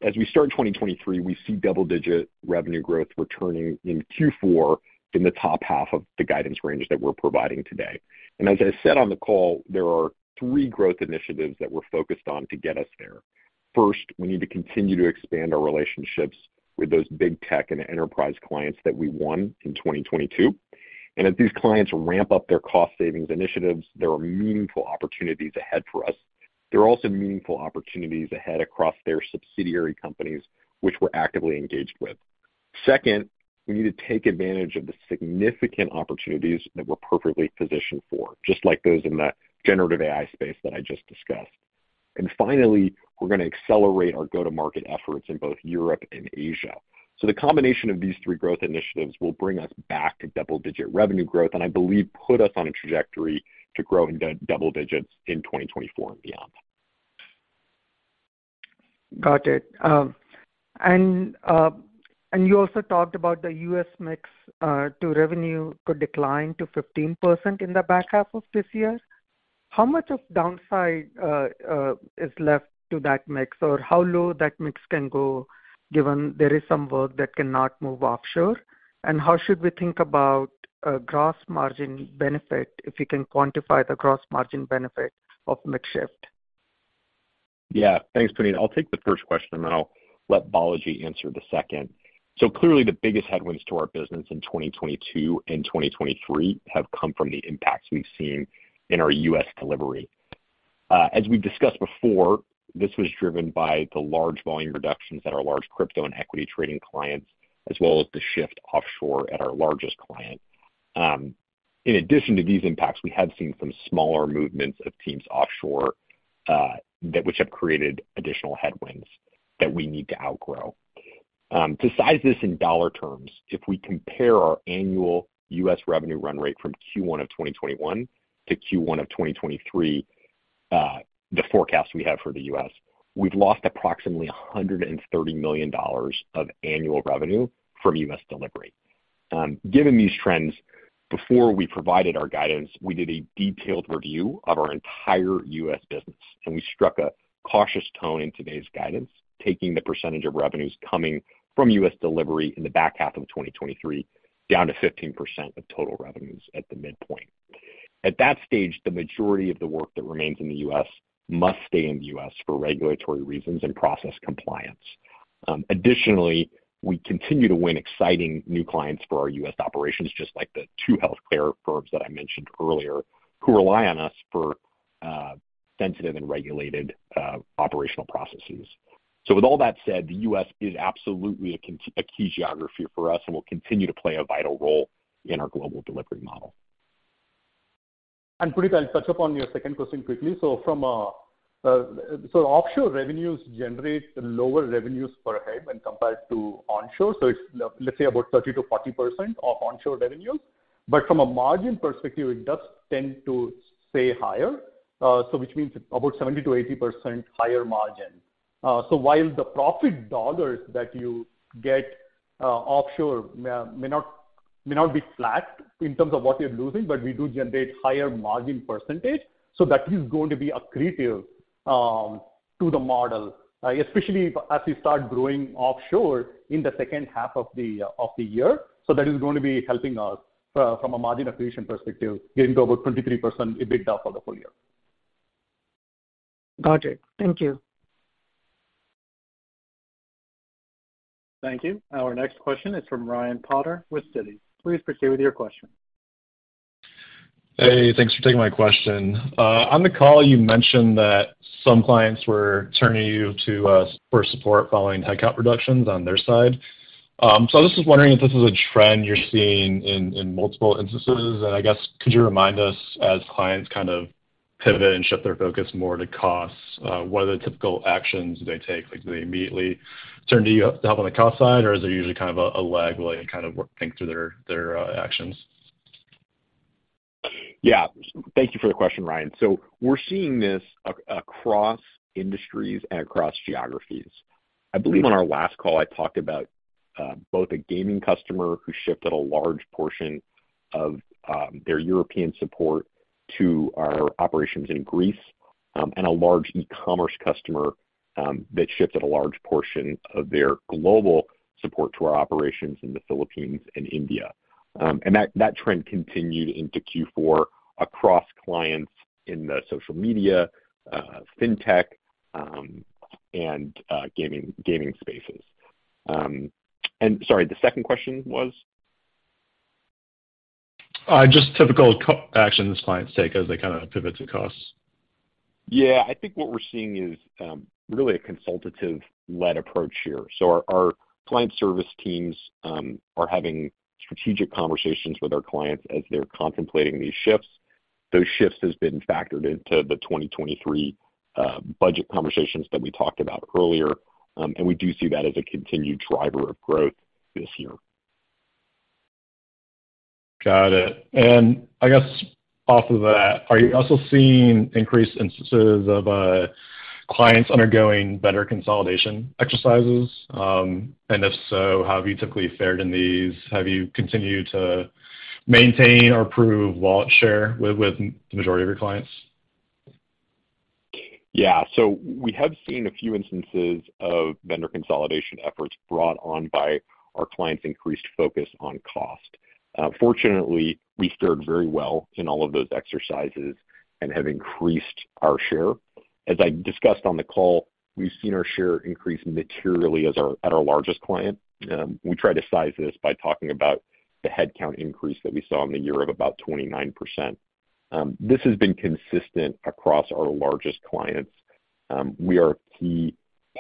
As we start 2023, we see double-digit revenue growth returning in Q4 in the top half of the guidance range that we're providing today. As I said on the call, there are 3 growth initiatives that we're focused on to get us there. First, we need to continue to expand our relationships with those big tech and enterprise clients that we won in 2022. As these clients ramp up their cost savings initiatives, there are meaningful opportunities ahead for us. There are also meaningful opportunities ahead across their subsidiary companies, which we're actively engaged with. Second, we need to take advantage of the significant opportunities that we're perfectly positioned for, just like those in the generative AI space that I just discussed. Finally, we're gonna accelerate our go-to-market efforts in both Europe and Asia. The combination of these three growth initiatives will bring us back to double-digit revenue growth, and I believe put us on a trajectory to grow in double digits in 2024 and beyond. Got it. You also talked about the U.S. mix to revenue could decline to 15% in the back half of this year. How much of downside is left to that mix? Or how low that mix can go given there is some work that cannot move offshore? How should we think about a gross margin benefit, if you can quantify the gross margin benefit of mix shift? Yeah. Thanks, Puneet. I'll take the first question, then I'll let Balaji answer the second. Clearly the biggest headwinds to our business in 2022 and 2023 have come from the impacts we've seen in our U.S. delivery. As we've discussed before, this was driven by the large volume reductions at our large crypto and equity trading clients, as well as the shift offshore at our largest client. In addition to these impacts, we have seen some smaller movements of teams offshore, that which have created additional headwinds that we need to outgrow. To size this in dollar terms, if we compare our annual U.S. revenue run rate from Q1 of 2021 to Q1 of 2023, the forecast we have for the U.S., we've lost approximately $130 million of annual revenue from U.S. delivery. Given these trends, before we provided our guidance, we did a detailed review of our entire U.S. business, and we struck a cautious tone in today's guidance, taking the percentage of revenues coming from U.S. delivery in the back half of 2023 down to 15% of total revenues at the midpoint. At that stage, the majority of the work that remains in the U.S. must stay in the U.S. for regulatory reasons and process compliance. Additionally, we continue to win exciting new clients for our U.S. operations, just like the two healthcare firms that I mentioned earlier, who rely on us for sensitive and regulated operational processes. With all that said, the U.S. is absolutely a key geography for us and will continue to play a vital role in our global delivery model. Puneet, I'll touch upon your second question quickly. From a offshore revenues generate lower revenues per head when compared to onshore. It's, let's say, about 30%-40% of onshore revenues. From a margin perspective, it does tend to stay higher, which means about 70%-80% higher margin. While the profit dollars that you get offshore may not be flat in terms of what you're losing, but we do generate higher margin percentage, that is going to be accretive to the model, especially as we start growing offshore in the second half of the year. That is gonna be helping us from a margin accretion perspective, getting to about 23% EBITDA for the full year. Got it. Thank you. Thank you. Our next question is from Ryan Potter with Citi. Please proceed with your question. Hey, thanks for taking my question. On the call you mentioned that some clients were turning to you for support following headcount reductions on their side. I was just wondering if this is a trend you're seeing in multiple instances? I guess could you remind us as clients kind of pivot and shift their focus more to costs, what are the typical actions they take? Like, do they immediately turn to you to help on the cost side or is there usually kind of a lag while they kind of work things through their actions? Thank you for the question, Ryan. We're seeing this across industries and across geographies. I believe on our last call I talked about, both a gaming customer who shifted a large portion of their European support to our operations in Greece, and a large e-commerce customer, that shifted a large portion of their global support to our operations in the Philippines and India. That, that trend continued into Q4 across clients in the social media, fintech, and gaming spaces. Sorry, the second question was? Just typical actions clients take as they kind of pivot to costs. Yeah. I think what we're seeing is, really a consultative-led approach here. Our client service teams are having strategic conversations with our clients as they're contemplating these shifts. Those shifts has been factored into the 2023 budget conversations that we talked about earlier. We do see that as a continued driver of growth this year. Got it. I guess off of that, are you also seeing increased instances of clients undergoing better consolidation exercises? If so, how have you typically fared in these? Have you continued to maintain or improve wallet share with the majority of your clients? Yeah. We have seen a few instances of vendor consolidation efforts brought on by our clients' increased focus on cost. Fortunately, we fared very well in all of those exercises and have increased our share. As I discussed on the call, we've seen our share increase materially at our largest client. We try to size this by talking about the headcount increase that we saw in the year of about 29%. This has been consistent across our largest clients. We are a key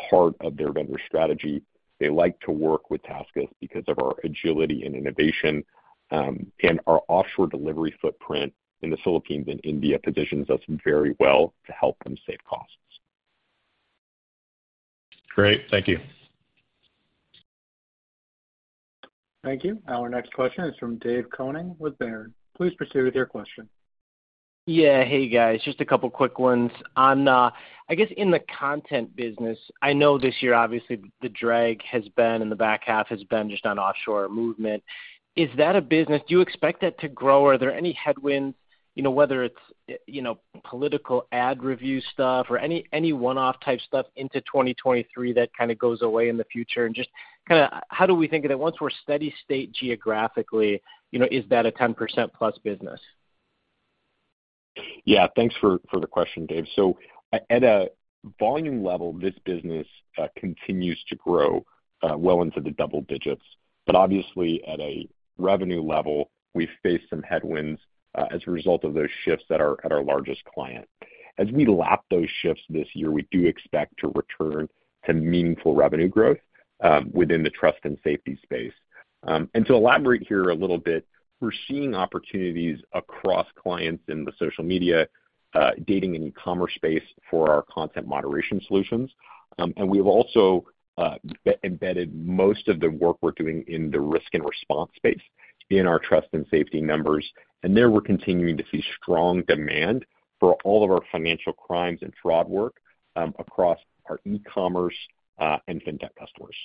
part of their vendor strategy. They like to work with TaskUs because of our agility and innovation. Our offshore delivery footprint in the Philippines and India positions us very well to help them save costs. Great. Thank you. Thank you. Our next question is from Dave Koning with Baird. Please proceed with your question. Yeah. Hey, guys. Just a couple quick ones. On, I guess in the content business, I know this year obviously the drag has been in the back half just on offshore movement. Do you expect that to grow? Are there any headwinds, you know, whether it's, you know, political ad review stuff or any one-off type stuff into 2023 that kind of goes away in the future? Just kinda how do we think of it once we're steady state geographically, you know, is that a 10%+ business? Yeah. Thanks for the question, Dave. At a volume level, this business continues to grow well into the double digits. Obviously at a revenue level, we face some headwinds as a result of those shifts at our largest client. As we lap those shifts this year, we do expect to return to meaningful revenue growth within the trust and safety space. To elaborate here a little bit, we're seeing opportunities across clients in the social media, dating and e-commerce space for our content moderation solutions. We've also embedded most of the work we're doing in the risk and response space in our trust and safety members. There, we're continuing to see strong demand for all of our financial crimes and fraud work across our e-commerce and fintech customers.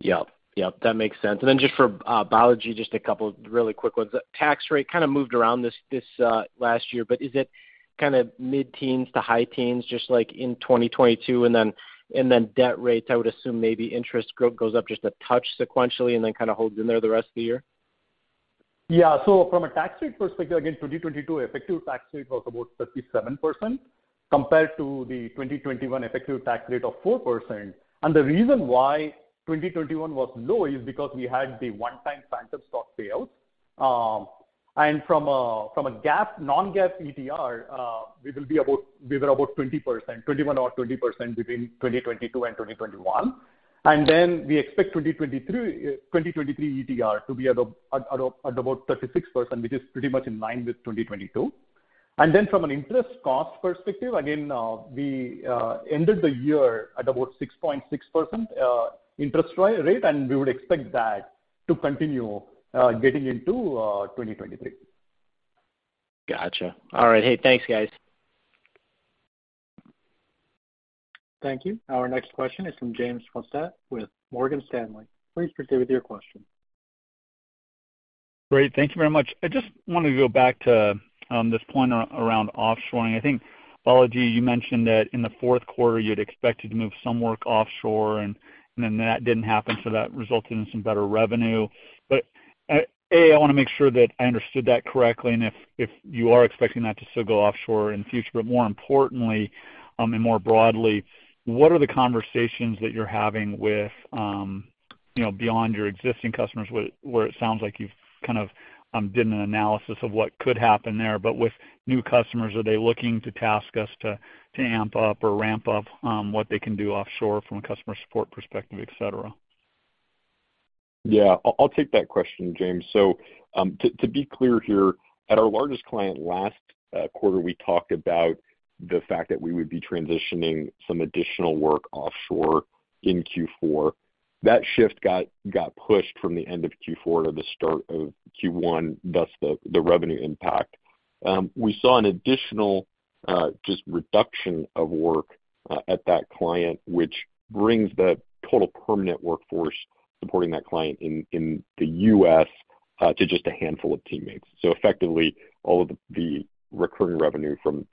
Yep. Yep, that makes sense. Just for Balaji, just a couple of really quick ones. Tax rate kind of moved around this last year, but is it kind of mid-teens to high teens just like in 2022? Debt rates, I would assume maybe interest goes up just a touch sequentially and then kind of holds in there the rest of the year. Yeah. From a tax rate perspective, again, 2022 effective tax rate was about 37% compared to the 2021 effective tax rate of 4%. The reason why 2021 was low is because we had the one-time phantom stock payout. From a non-GAAP ETR, we were about 20%, 21% or 20% between 2022 and 2021. We expect 2023 ETR to be at about 36%, which is pretty much in line with 2022. From an interest cost perspective, again, we ended the year at about 6.6% interest rate, and we would expect that to continue getting into 2023. Gotcha. All right. Hey, thanks, guys. Thank you. Our next question is from James Faucette with Morgan Stanley. Please proceed with your question. Great. Thank you very much. I just wanted to go back to this point around offshoring. I think, Balaji, you mentioned that in the fourth quarter, you had expected to move some work offshore and then that didn't happen, so that resulted in some better revenue. A, I wanna make sure that I understood that correctly and if you are expecting that to still go offshore in the future. More importantly, and more broadly, what are the conversations that you're having with, you know, beyond your existing customers, where it sounds like you've kind of did an analysis of what could happen there. But with new customers, are they looking to TaskUs to amp up or ramp up what they can do offshore from a customer support perspective, et cetera? Yeah. I'll take that question, James. To be clear here, at our largest client last quarter, we talked about the fact that we would be transitioning some additional work offshore in Q4. That shift got pushed from the end of Q4 to the start of Q1, thus the revenue impact. We saw an additional just reduction of work at that client, which brings the total permanent workforce supporting that client in the U.S. to just a handful of teammates. Effectively, all of the recurring revenue from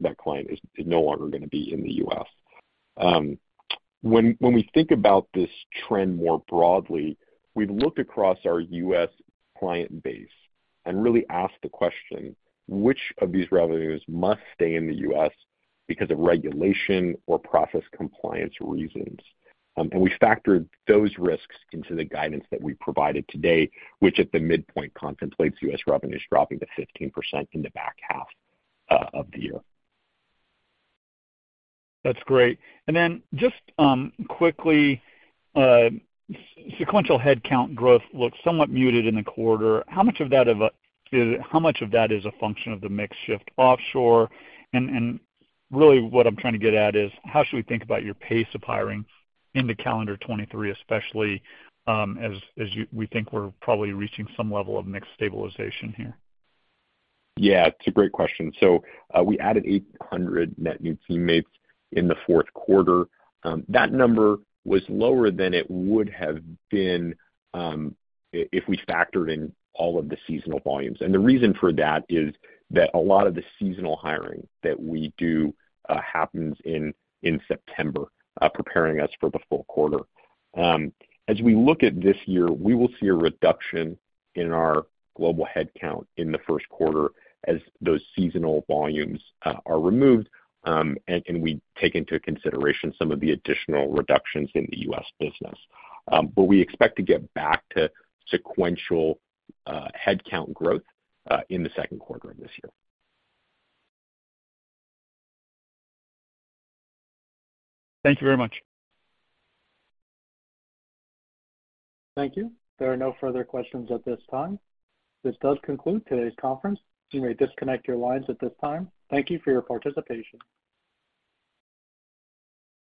that client is no longer gonna be in the U.S. When we think about this trend more broadly, we've looked across our U.S. client base and really asked the question, which of these revenues must stay in the U.S. because of regulation or process compliance reasons? We factored those risks into the guidance that we provided today, which at the midpoint contemplates U.S. revenues dropping to 15% in the back half of the year. That's great. Then just quickly, sequential headcount growth looks somewhat muted in the quarter. How much of that is a function of the mix shift offshore? Really what I'm trying to get at is, how should we think about your pace of hiring into calendar 2023, especially as we think we're probably reaching some level of mix stabilization here? Yeah, it's a great question. We added 800 net new teammates in the fourth quarter. That number was lower than it would have been if we factored in all of the seasonal volumes. The reason for that is that a lot of the seasonal hiring that we do happens in September, preparing us for the full quarter. As we look at this year, we will see a reduction in our global headcount in the first quarter as those seasonal volumes are removed, and we take into consideration some of the additional reductions in the U.S. business. We expect to get back to sequential headcount growth in the second quarter of this year. Thank you very much. Thank you. There are no further questions at this time. This does conclude today's conference. You may disconnect your lines at this time. Thank you for your participation.